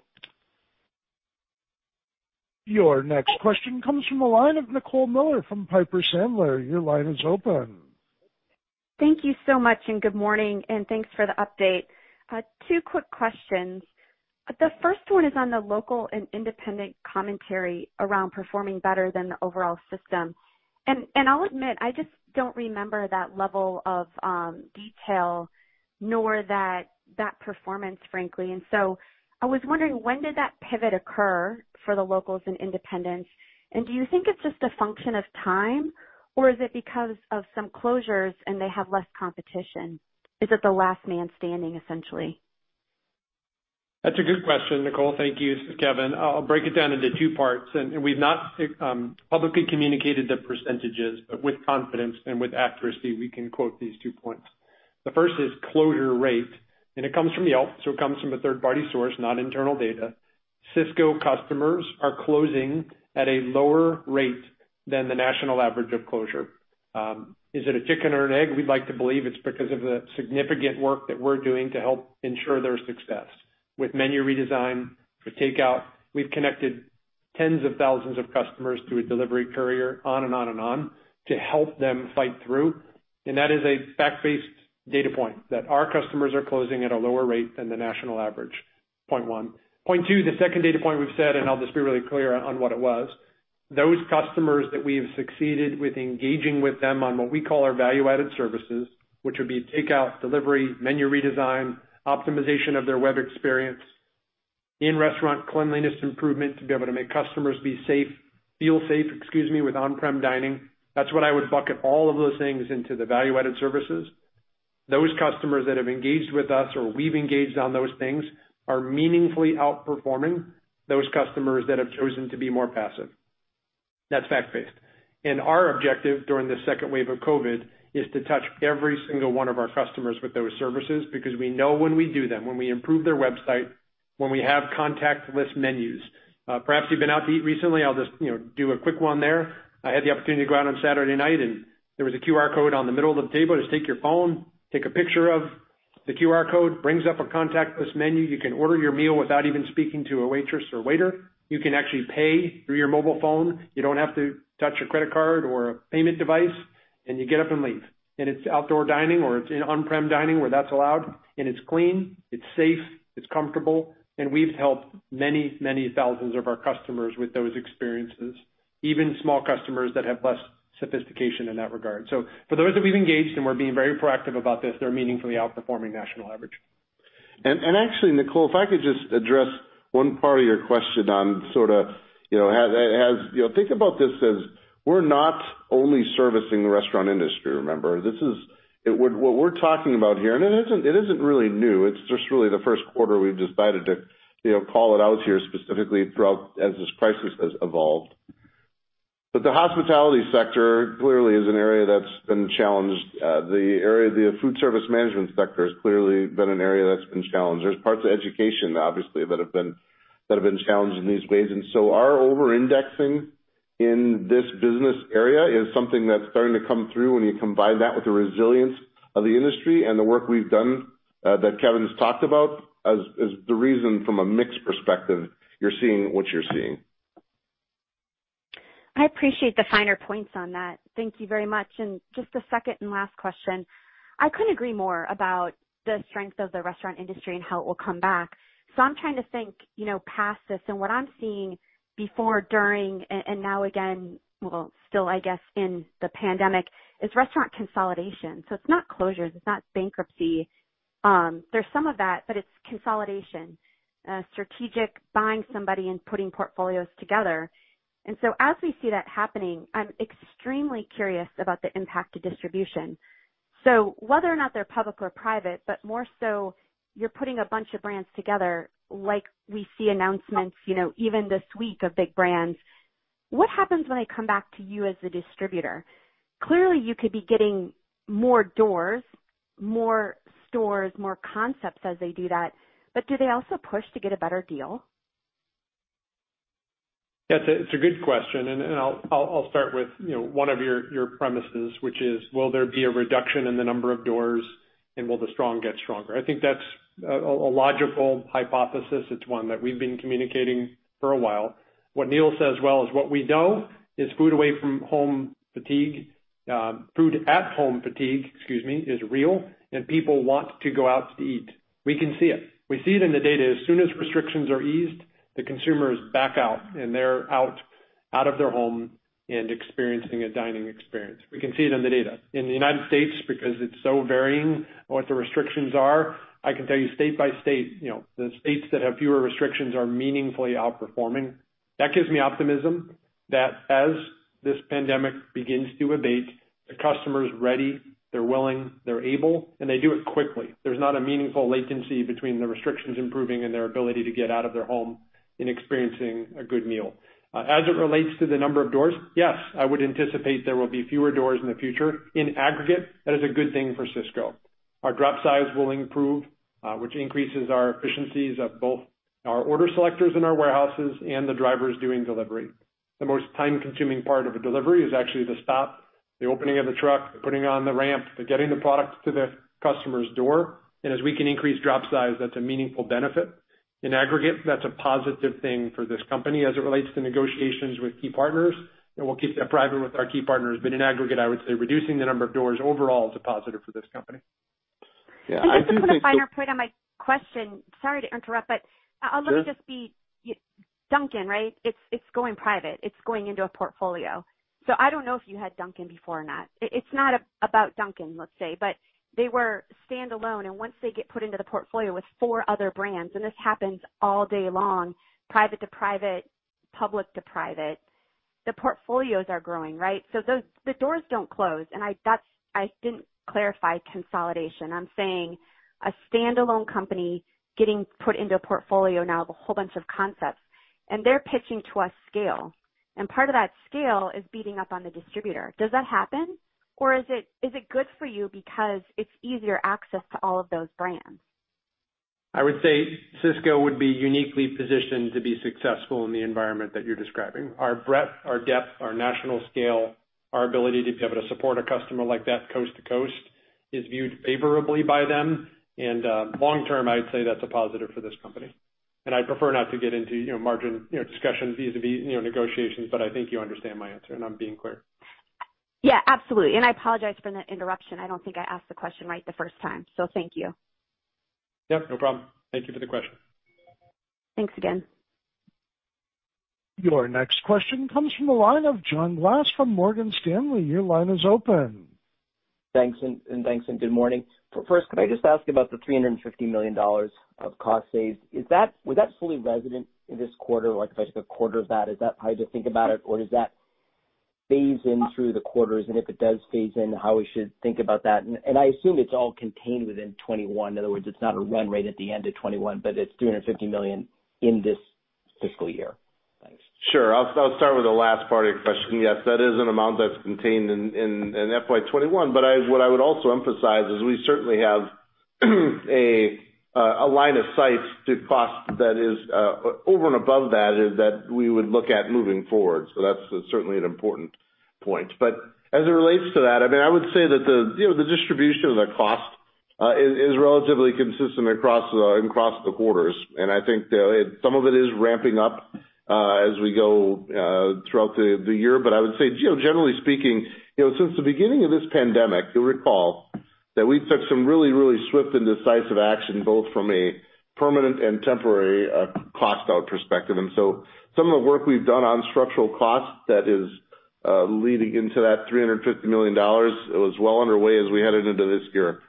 A: Your next question comes from the line of Nicole Miller from Piper Sandler. Your line is open.
J: Thank you so much, and good morning, and thanks for the update. Two quick questions. The first one is on the local and independent commentary around performing better than the overall system. I'll admit, I just don't remember that level of detail nor that performance, frankly. I was wondering when did that pivot occur for the locals and independents, and do you think it's just a function of time, or is it because of some closures and they have less competition? Is it the last man standing, essentially?
C: That's a good question, Nicole. Thank you. This is Kevin. I'll break it down into two parts, and we've not publicly communicated the percentages, but with confidence and with accuracy, we can quote these two points. The first is closure rate, and it comes from Yelp, so it comes from a third-party source, not internal data. Sysco customers are closing at a lower rate than the national average of closure. Is it a chicken or an egg? We'd like to believe it's because of the significant work that we're doing to help ensure their success with menu redesign, with takeout. We've connected tens of thousands of customers to a delivery courier on and on, to help them fight through. That is a fact-based data point that our customers are closing at a lower rate than the national average. Point one. Point two, the second data point we've said, and I'll just be really clear on what it was. Those customers that we've succeeded with engaging with them on what we call our value-added services, which would be takeout, delivery, menu redesign, optimization of their web experience, in-restaurant cleanliness improvement to be able to make customers feel safe, excuse me, with on-prem dining. That's what I would bucket all of those things into the value-added services. Those customers that have engaged with us or we've engaged on those things are meaningfully outperforming those customers that have chosen to be more passive. That's fact-based. Our objective during this second wave of COVID is to touch every single one of our customers with those services because we know when we do them, when we improve their website, when we have contactless menus. Perhaps you've been out to eat recently. I'll just do a quick one there. I had the opportunity to go out on Saturday night, and there was a QR code on the middle of the table. Just take your phone, take a picture of the QR code, brings up a contactless menu. You can order your meal without even speaking to a waitress or waiter. You can actually pay through your mobile phone. You don't have to touch a credit card or a payment device, and you get up and leave. It's outdoor dining, or it's an on-prem dining where that's allowed, and it's clean, it's safe, it's comfortable, and we've helped many, many thousands of our customers with those experiences, even small customers that have less sophistication in that regard. For those that we've engaged, and we're being very proactive about this, they're meaningfully outperforming national average.
D: Actually, Nicole, if I could just address one part of your question on sort of, think about this as we're not only servicing the restaurant industry, remember. What we're talking about here, and it isn't really new. It's just really the first quarter we've decided to call it out here specifically throughout as this crisis has evolved. The hospitality sector clearly is an area that's been challenged. The area of the food service management sector has clearly been an area that's been challenged. There's parts of education, obviously, that have been challenged in these ways. Our over-indexing in this business area is something that's starting to come through when you combine that with the resilience of the industry and the work we've done, that Kevin's talked about, as the reason from a mix perspective, you're seeing what you're seeing.
J: I appreciate the finer points on that. Thank you very much. Just a second and last question. I couldn't agree more about the strength of the restaurant industry and how it will come back. I'm trying to think past this, and what I'm seeing before, during, and now again, well, still, I guess, in the pandemic, is restaurant consolidation. It's not closures, it's not bankruptcy. There's some of that, but it's consolidation, strategic buying somebody and putting portfolios together. As we see that happening, I'm extremely curious about the impact to distribution. Whether or not they're public or private, but more so you're putting a bunch of brands together like we see announcements even this week of big brands. What happens when I come back to you as the distributor? Clearly, you could be getting more doors, more stores, more concepts as they do that, but do they also push to get a better deal?
C: That's a good question. I'll start with one of your premises, which is, will there be a reduction in the number of doors, and will the strong get stronger? I think that's a logical hypothesis. It's one that we've been communicating for a while. What Neil says well is what we know is food at home fatigue, excuse me, is real, and people want to go out to eat. We can see it. We see it in the data. As soon as restrictions are eased, the consumer is back out, and they're out of their home and experiencing a dining experience. We can see it in the data. In the United States, because it's so varying what the restrictions are, I can tell you state by state, the states that have fewer restrictions are meaningfully outperforming. That gives me optimism that as this pandemic begins to abate, the customer is ready, they're willing, they're able, and they do it quickly. There's not a meaningful latency between the restrictions improving and their ability to get out of their home and experiencing a good meal. As it relates to the number of doors, yes, I would anticipate there will be fewer doors in the future. In aggregate, that is a good thing for Sysco. Our drop size will improve, which increases our efficiencies of both our order selectors in our warehouses and the drivers doing delivery. The most time-consuming part of a delivery is actually the stop, the opening of the truck, putting on the ramp, the getting the product to the customer's door. As we can increase drop size, that's a meaningful benefit. In aggregate, that's a positive thing for this company as it relates to negotiations with key partners, and we'll keep that private with our key partners. In aggregate, I would say reducing the number of doors overall is a positive for this company.
D: Yeah, I think-
J: Just one finer point on my question. Sorry to interrupt, but let me just Dunkin', right? It's going private. It's going into a portfolio. I don't know if you had Dunkin' before or not. It's not about Dunkin', let's say, but they were standalone, and once they get put into the portfolio with four other brands, and this happens all day long, private to private, public to private, the portfolios are growing, right? The doors don't close. I didn't clarify consolidation. I'm saying a standalone company getting put into a portfolio now of a whole bunch of concepts, and they're pitching to us scale. Part of that scale is beating up on the distributor. Does that happen? Is it good for you because it's easier access to all of those brands?
C: I would say Sysco would be uniquely positioned to be successful in the environment that you're describing. Our breadth, our depth, our national scale, our ability to be able to support a customer like that coast-to-coast is viewed favorably by them. Long term, I'd say that's a positive for this company. I'd prefer not to get into margin discussions vis-a-vis negotiations, but I think you understand my answer and I'm being clear.
J: Yeah, absolutely. I apologize for the interruption. I don't think I asked the question right the first time, thank you.
C: Yep, no problem. Thank you for the question.
J: Thanks again.
A: Your next question comes from the line of John Glass from Morgan Stanley. Your line is open.
K: Thanks. Good morning. First, could I just ask about the $350 million of cost saves? Was that fully resident in this quarter? Like, if I took a quarter of that, is that how you think about it? Does that phase in through the quarters, and if it does phase in, how we should think about that? I assume it's all contained within 2021. In other words, it's not a run rate at the end of 2021, but it's $350 million in this fiscal year. Thanks.
D: Sure. I'll start with the last part of your question. Yes, that is an amount that's contained in FY 2021. What I would also emphasize is we certainly have a line of sight to cost that is over and above that we would look at moving forward. That's certainly an important point. As it relates to that, I would say that the distribution of the cost is relatively consistent across the quarters, and I think some of it is ramping up as we go throughout the year. I would say, generally speaking, since the beginning of this pandemic, you'll recall that we took some really swift and decisive action, both from a permanent and temporary cost out perspective. Some of the work we've done on structural costs that is leading into that $350 million, it was well underway as we headed into this year.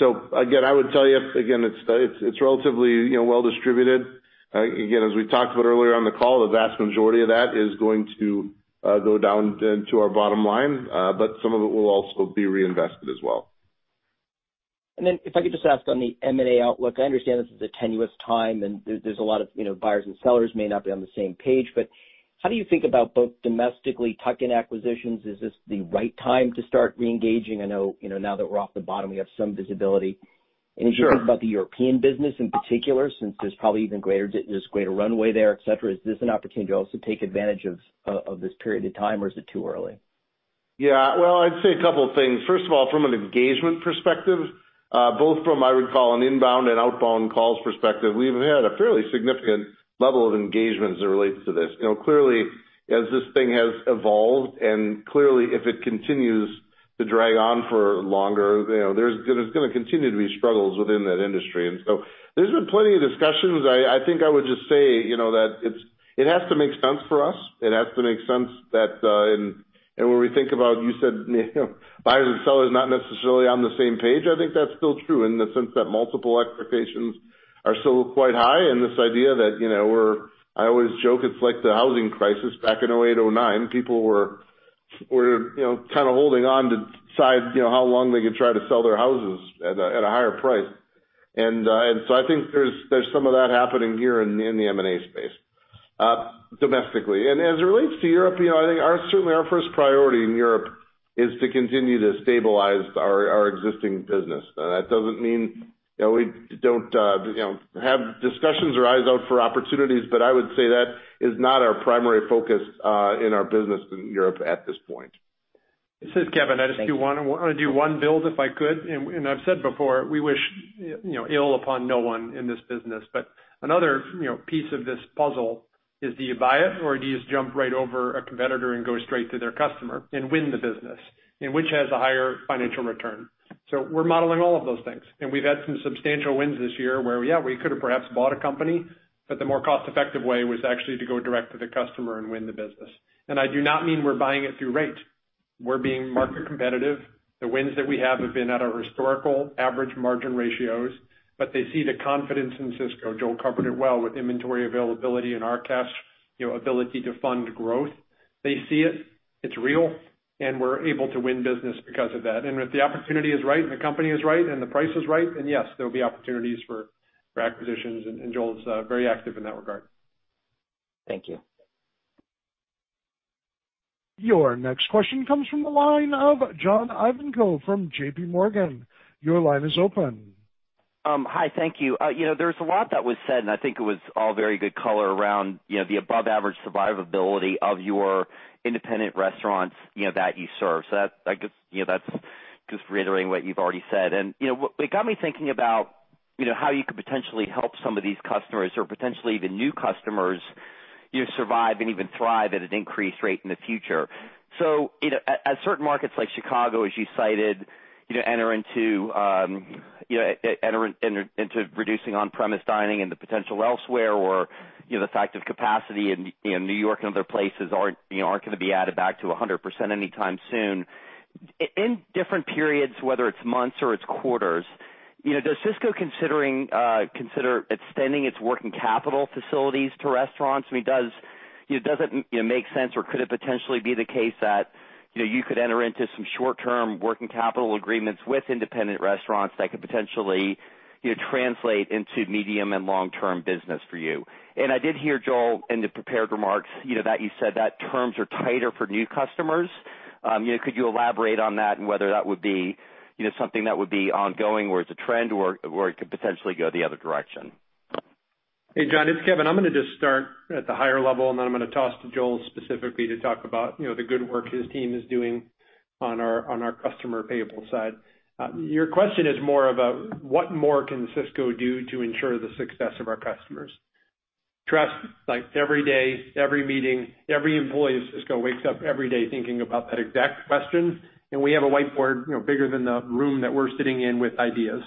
D: Again, I would tell you, again, it's relatively well distributed. Again, as we talked about earlier on the call, the vast majority of that is going to go down to our bottom line. Some of it will also be reinvested as well.
K: If I could just ask on the M&A outlook, I understand this is a tenuous time, and there's a lot of buyers and sellers may not be on the same page, but how do you think about both domestically tuck-in acquisitions? Is this the right time to start reengaging? I know, now that we're off the bottom, we have some visibility. If you think about the European business in particular, since there's probably even greater runway there, et cetera, is this an opportunity to also take advantage of this period of time, or is it too early?
D: Yeah. Well, I'd say a couple of things. First of all, from an engagement perspective, both from, I would call, an inbound and outbound calls perspective, we've had a fairly significant level of engagement as it relates to this. Clearly, as this thing has evolved, clearly, if it continues to drag on for longer, there's going to continue to be struggles within that industry. There's been plenty of discussions. I think I would just say that it has to make sense for us, it has to make sense when we think about, you said buyers and sellers not necessarily on the same page, I think that's still true in the sense that multiple expectations are still quite high. This idea that I always joke it's like the housing crisis back in 2008, 2009. People were kind of holding on to decide how long they could try to sell their houses at a higher price. I think there's some of that happening here in the M&A space domestically. As it relates to Europe, I think our first priority in Europe is to continue to stabilize our existing business. That doesn't mean that we don't have discussions or eyes out for opportunities, but I would say that is not our primary focus in our business in Europe at this point.
C: This is Kevin. I just want to do one build, if I could. I've said before, we wish ill upon no one in this business. Another piece of this puzzle is, do you buy it, or do you just jump right over a competitor and go straight to their customer and win the business? Which has a higher financial return? We're modeling all of those things, and we've had some substantial wins this year where, yeah, we could have perhaps bought a company, but the more cost-effective way was actually to go direct to the customer and win the business. I do not mean we're buying it through rate. We're being market competitive. The wins that we have have been at our historical average margin ratios, but they see the confidence in Sysco. Joel covered it well with inventory availability and our cash ability to fund growth. They see it's real, and we're able to win business because of that. If the opportunity is right and the company is right and the price is right, then yes, there will be opportunities for acquisitions, and Joel's very active in that regard.
K: Thank you.
A: Your next question comes from the line of John Ivankoe from JPMorgan. Your line is open.
L: Hi, thank you. There's a lot that was said, and I think it was all very good color around the above-average survivability of your independent restaurants that you serve. That's just reiterating what you've already said. It got me thinking about how you could potentially help some of these customers or potentially even new customers survive and even thrive at an increased rate in the future. As certain markets like Chicago, as you cited, enter into reducing on-premise dining and the potential elsewhere, or the fact of capacity in New York and other places aren't going to be added back to 100% anytime soon. In different periods, whether it's months or it's quarters, does Sysco consider extending its working capital facilities to restaurants? I mean, does it make sense, or could it potentially be the case that you could enter into some short-term working capital agreements with independent restaurants that could potentially translate into medium and long-term business for you? I did hear Joel in the prepared remarks that you said that terms are tighter for new customers. Could you elaborate on that and whether that would be something that would be ongoing or it's a trend or it could potentially go the other direction?
C: Hey, John, it's Kevin. I'm going to just start at the higher level, and then I'm going to toss to Joel specifically to talk about the good work his team is doing on our customer payable side. Your question is more of a what more can Sysco do to ensure the success of our customers? Trust, every day, every meeting, every employee of Sysco wakes up every day thinking about that exact question, and we have a whiteboard bigger than the room that we're sitting in with ideas.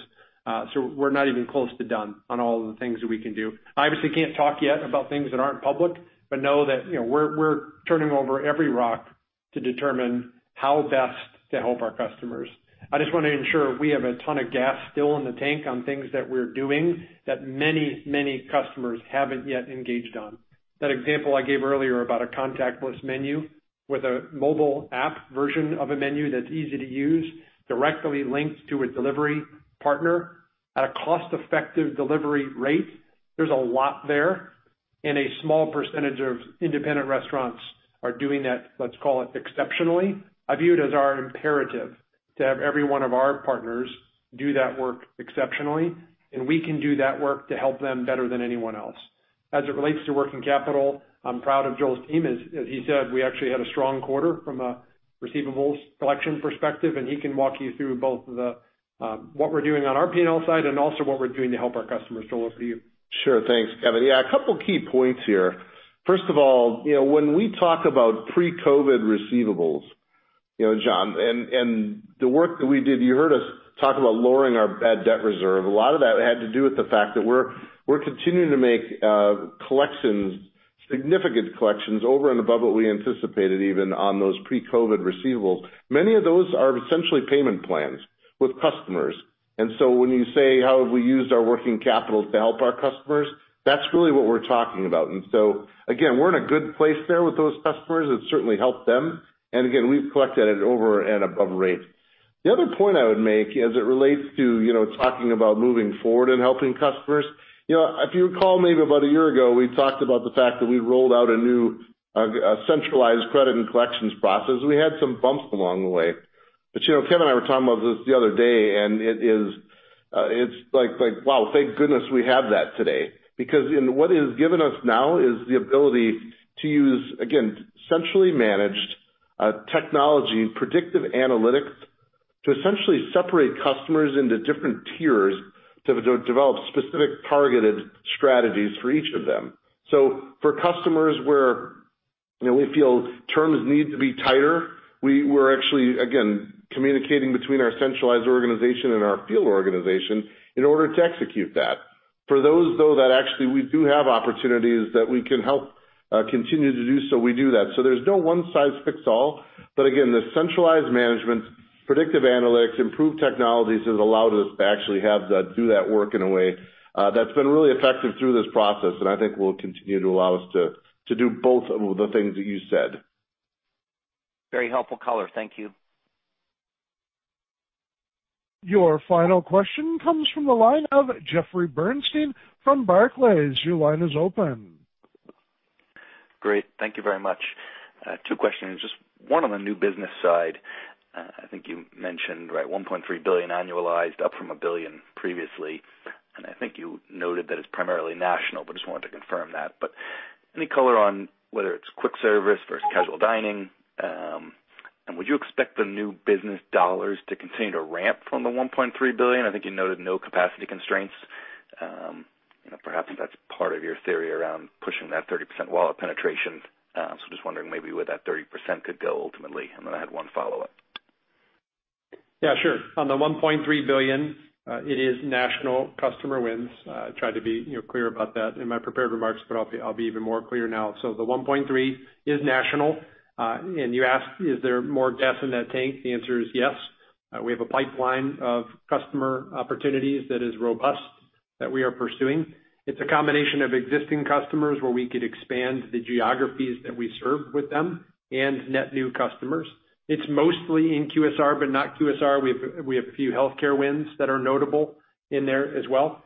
C: We're not even close to done on all of the things that we can do. I obviously can't talk yet about things that aren't public, but know that we're turning over every rock to determine how best to help our customers. I just want to ensure we have a ton of gas still in the tank on things that we're doing that many customers haven't yet engaged on. That example I gave earlier about a contactless menu with a mobile app version of a menu that's easy to use, directly linked to a delivery partner at a cost-effective delivery rate. There's a lot there, and a small percentage of independent restaurants are doing that, let's call it exceptionally. I view it as our imperative to have every one of our partners do that work exceptionally, and we can do that work to help them better than anyone else. As it relates to working capital, I'm proud of Joel's team. As he said, we actually had a strong quarter from a receivables collection perspective, and he can walk you through both what we're doing on our P&L side and also what we're doing to help our customers. Joel, over to you.
D: Thanks, Kevin. Couple key points here. When we talk about pre-COVID receivables, John, and the work that we did, you heard us talk about lowering our bad debt reserve. A lot of that had to do with the fact that we're continuing to make collections, significant collections over and above what we anticipated even on those pre-COVID receivables. Many of those are essentially payment plans with customers. When you say, how have we used our working capital to help our customers, that's really what we're talking about. Again, we're in a good place there with those customers. It certainly helped them. Again, we've collected at over and above rate. The other point I would make as it relates to talking about moving forward and helping customers. If you recall, maybe about a year ago, we talked about the fact that we rolled out a new centralized credit and collections process. We had some bumps along the way, but Kevin and I were talking about this the other day, and it's like, wow, thank goodness we have that today. What it has given us now is the ability to use, again, centrally managed technology and predictive analytics to essentially separate customers into different tiers to develop specific targeted strategies for each of them. For customers where we feel terms need to be tighter, we're actually, again, communicating between our centralized organization and our field organization in order to execute that. For those, though, that actually we do have opportunities that we can help continue to do so, we do that. There's no one-size-fits-all. Again, the centralized management, predictive analytics, improved technologies has allowed us to actually have that, do that work in a way that's been really effective through this process, and I think will continue to allow us to do both of the things that you said.
L: Very helpful color. Thank you.
A: Your final question comes from the line of Jeffrey Bernstein from Barclays. Your line is open.
M: Great. Thank you very much. Two questions. Just one on the new business side. I think you mentioned, right, $1.3 billion annualized, up from $1 billion previously. I think you noted that it's primarily national, just wanted to confirm that. Any color on whether it's quick service versus casual dining? Would you expect the new business dollars to continue to ramp from the $1.3 billion? I think you noted no capacity constraints. Perhaps that's part of your theory around pushing that 30% wallet penetration. Just wondering maybe where that 30% could go ultimately. I had one follow-up.
C: Yeah, sure. On the $1.3 billion, it is national customer wins. I tried to be clear about that in my prepared remarks. I'll be even more clear now. The 1.3 is national. You asked, is there more gas in that tank? The answer is yes. We have a pipeline of customer opportunities that is robust that we are pursuing. It's a combination of existing customers, where we could expand the geographies that we serve with them, and net new customers. It's mostly in QSR, not QSR. We have a few healthcare wins that are notable in there as well.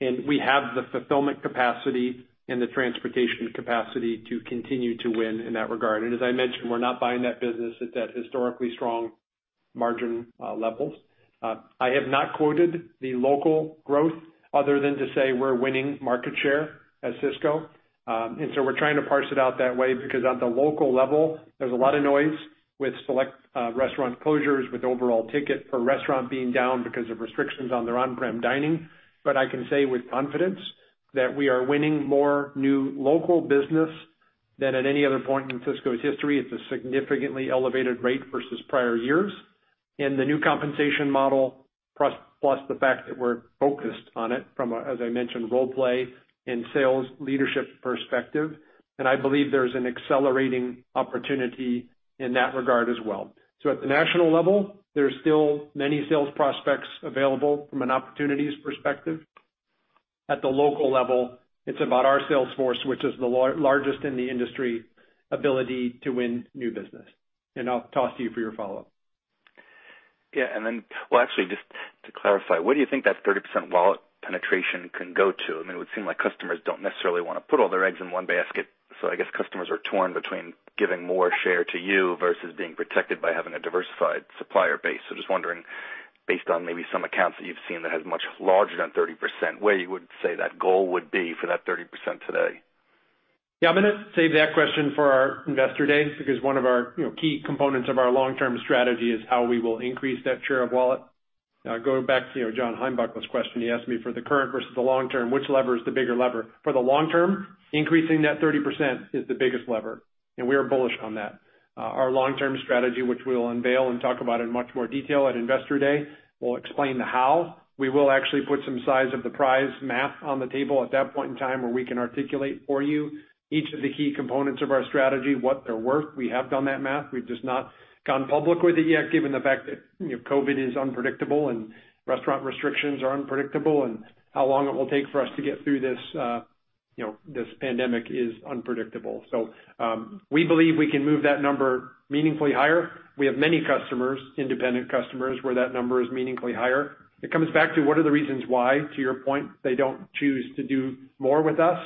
C: We have the fulfillment capacity and the transportation capacity to continue to win in that regard. As I mentioned, we're not buying that business at that historically strong margin levels. I have not quoted the local growth other than to say we're winning market share at Sysco. We're trying to parse it out that way because at the local level, there's a lot of noise with select restaurant closures, with overall ticket per restaurant being down because of restrictions on their on-prem dining. I can say with confidence that we are winning more new local business than at any other point in Sysco's history. It's a significantly elevated rate versus prior years. The new compensation model, plus the fact that we're focused on it from a, as I mentioned, role-play and sales leadership perspective. I believe there's an accelerating opportunity in that regard as well. At the national level, there's still many sales prospects available from an opportunities perspective. At the local level, it's about our sales force, which is the largest in the industry, ability to win new business. I'll toss to you for your follow-up.
M: Well, actually, just to clarify, where do you think that 30% wallet penetration can go to? I mean, it would seem like customers don't necessarily want to put all their eggs in one basket. I guess customers are torn between giving more share to you versus being protected by having a diversified supplier base. Just wondering, based on maybe some accounts that you've seen that has much larger than 30%, where you would say that goal would be for that 30% today?
C: Yeah, I'm going to save that question for our Investor Day, because one of our key components of our long-term strategy is how we will increase that share of wallet. Going back to John Heinbockel's question, he asked me for the current versus the long-term, which lever is the bigger lever. For the long-term, increasing that 30% is the biggest lever, and we are bullish on that. Our long-term strategy, which we'll unveil and talk about in much more detail at Investor Day, will explain the how. We will actually put some size of the prize math on the table at that point in time where we can articulate for you each of the key components of our strategy, what they're worth. We have done that math. We've just not gone public with it yet, given the fact that COVID is unpredictable and restaurant restrictions are unpredictable and how long it will take for us to get through this pandemic is unpredictable. We believe we can move that number meaningfully higher. We have many customers, independent customers, where that number is meaningfully higher. It comes back to what are the reasons why, to your point, they don't choose to do more with us.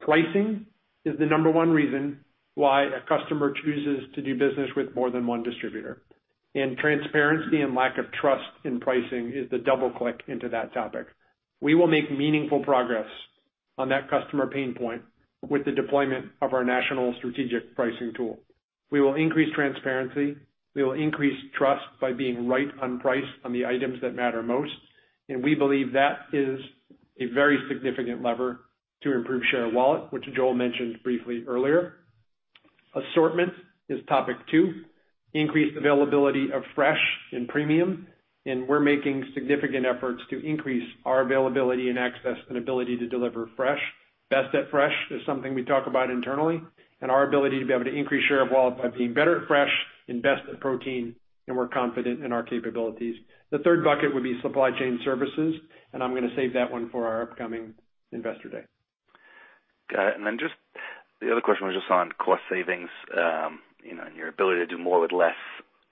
C: Pricing is the number one reason why a customer chooses to do business with more than one distributor. Transparency and lack of trust in pricing is the double click into that topic. We will make meaningful progress on that customer pain point with the deployment of our national strategic pricing tool. We will increase transparency. We will increase trust by being right on price on the items that matter most. We believe that is a very significant lever to improve share of wallet, which Joel mentioned briefly earlier. Assortment is topic two. Increased availability of fresh and premium, and we're making significant efforts to increase our availability and access and ability to deliver fresh. Best at fresh is something we talk about internally, and our ability to be able to increase share of wallet by being better at fresh and best at protein, and we're confident in our capabilities. The third bucket would be supply chain services, and I'm going to save that one for our upcoming Investor Day.
M: Got it. Just the other question was just on cost savings, and your ability to do more with less.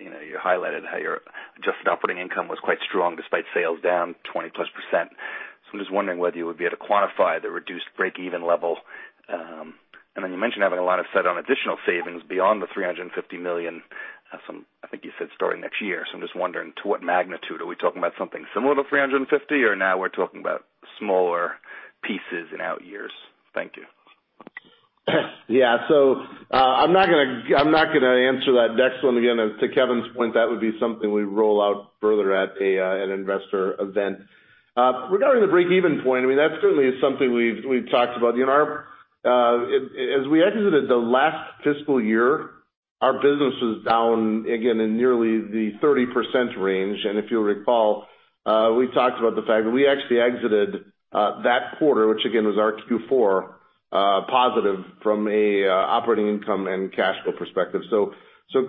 M: You highlighted how your adjusted operating income was quite strong despite sales down 20+%. I'm just wondering whether you would be able to quantify the reduced break-even level. Then you mentioned having a lot of said on additional savings beyond the $350 million, I think you said starting next year. I'm just wondering to what magnitude. Are we talking about something similar to $350 million, or now we're talking about smaller pieces in out years? Thank you.
D: Yeah. I'm not going to answer that next one. Again, to Kevin's point, that would be something we roll out further at an investor event. Regarding the break-even point, I mean, that certainly is something we've talked about. As we exited the last fiscal year, our business was down, again, in nearly the 30% range. If you'll recall, we talked about the fact that we actually exited that quarter, which again, was our Q4, positive from a operating income and cash flow perspective.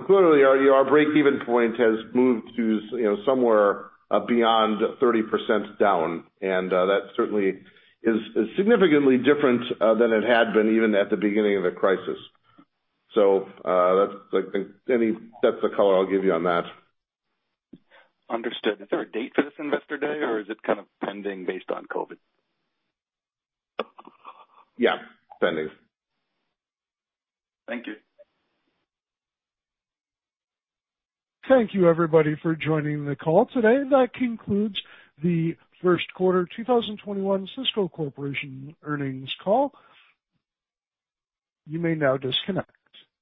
D: Clearly, our break-even point has moved to somewhere beyond 30% down. That certainly is significantly different than it had been even at the beginning of the crisis. That's the color I'll give you on that.
M: Understood. Is there a date for this Investor Day, or is it kind of pending based on COVID?
D: Yeah. Pending.
M: Thank you.
A: Thank you everybody for joining the call today. That concludes the first quarter 2021 Sysco Corporation earnings call. You may now disconnect.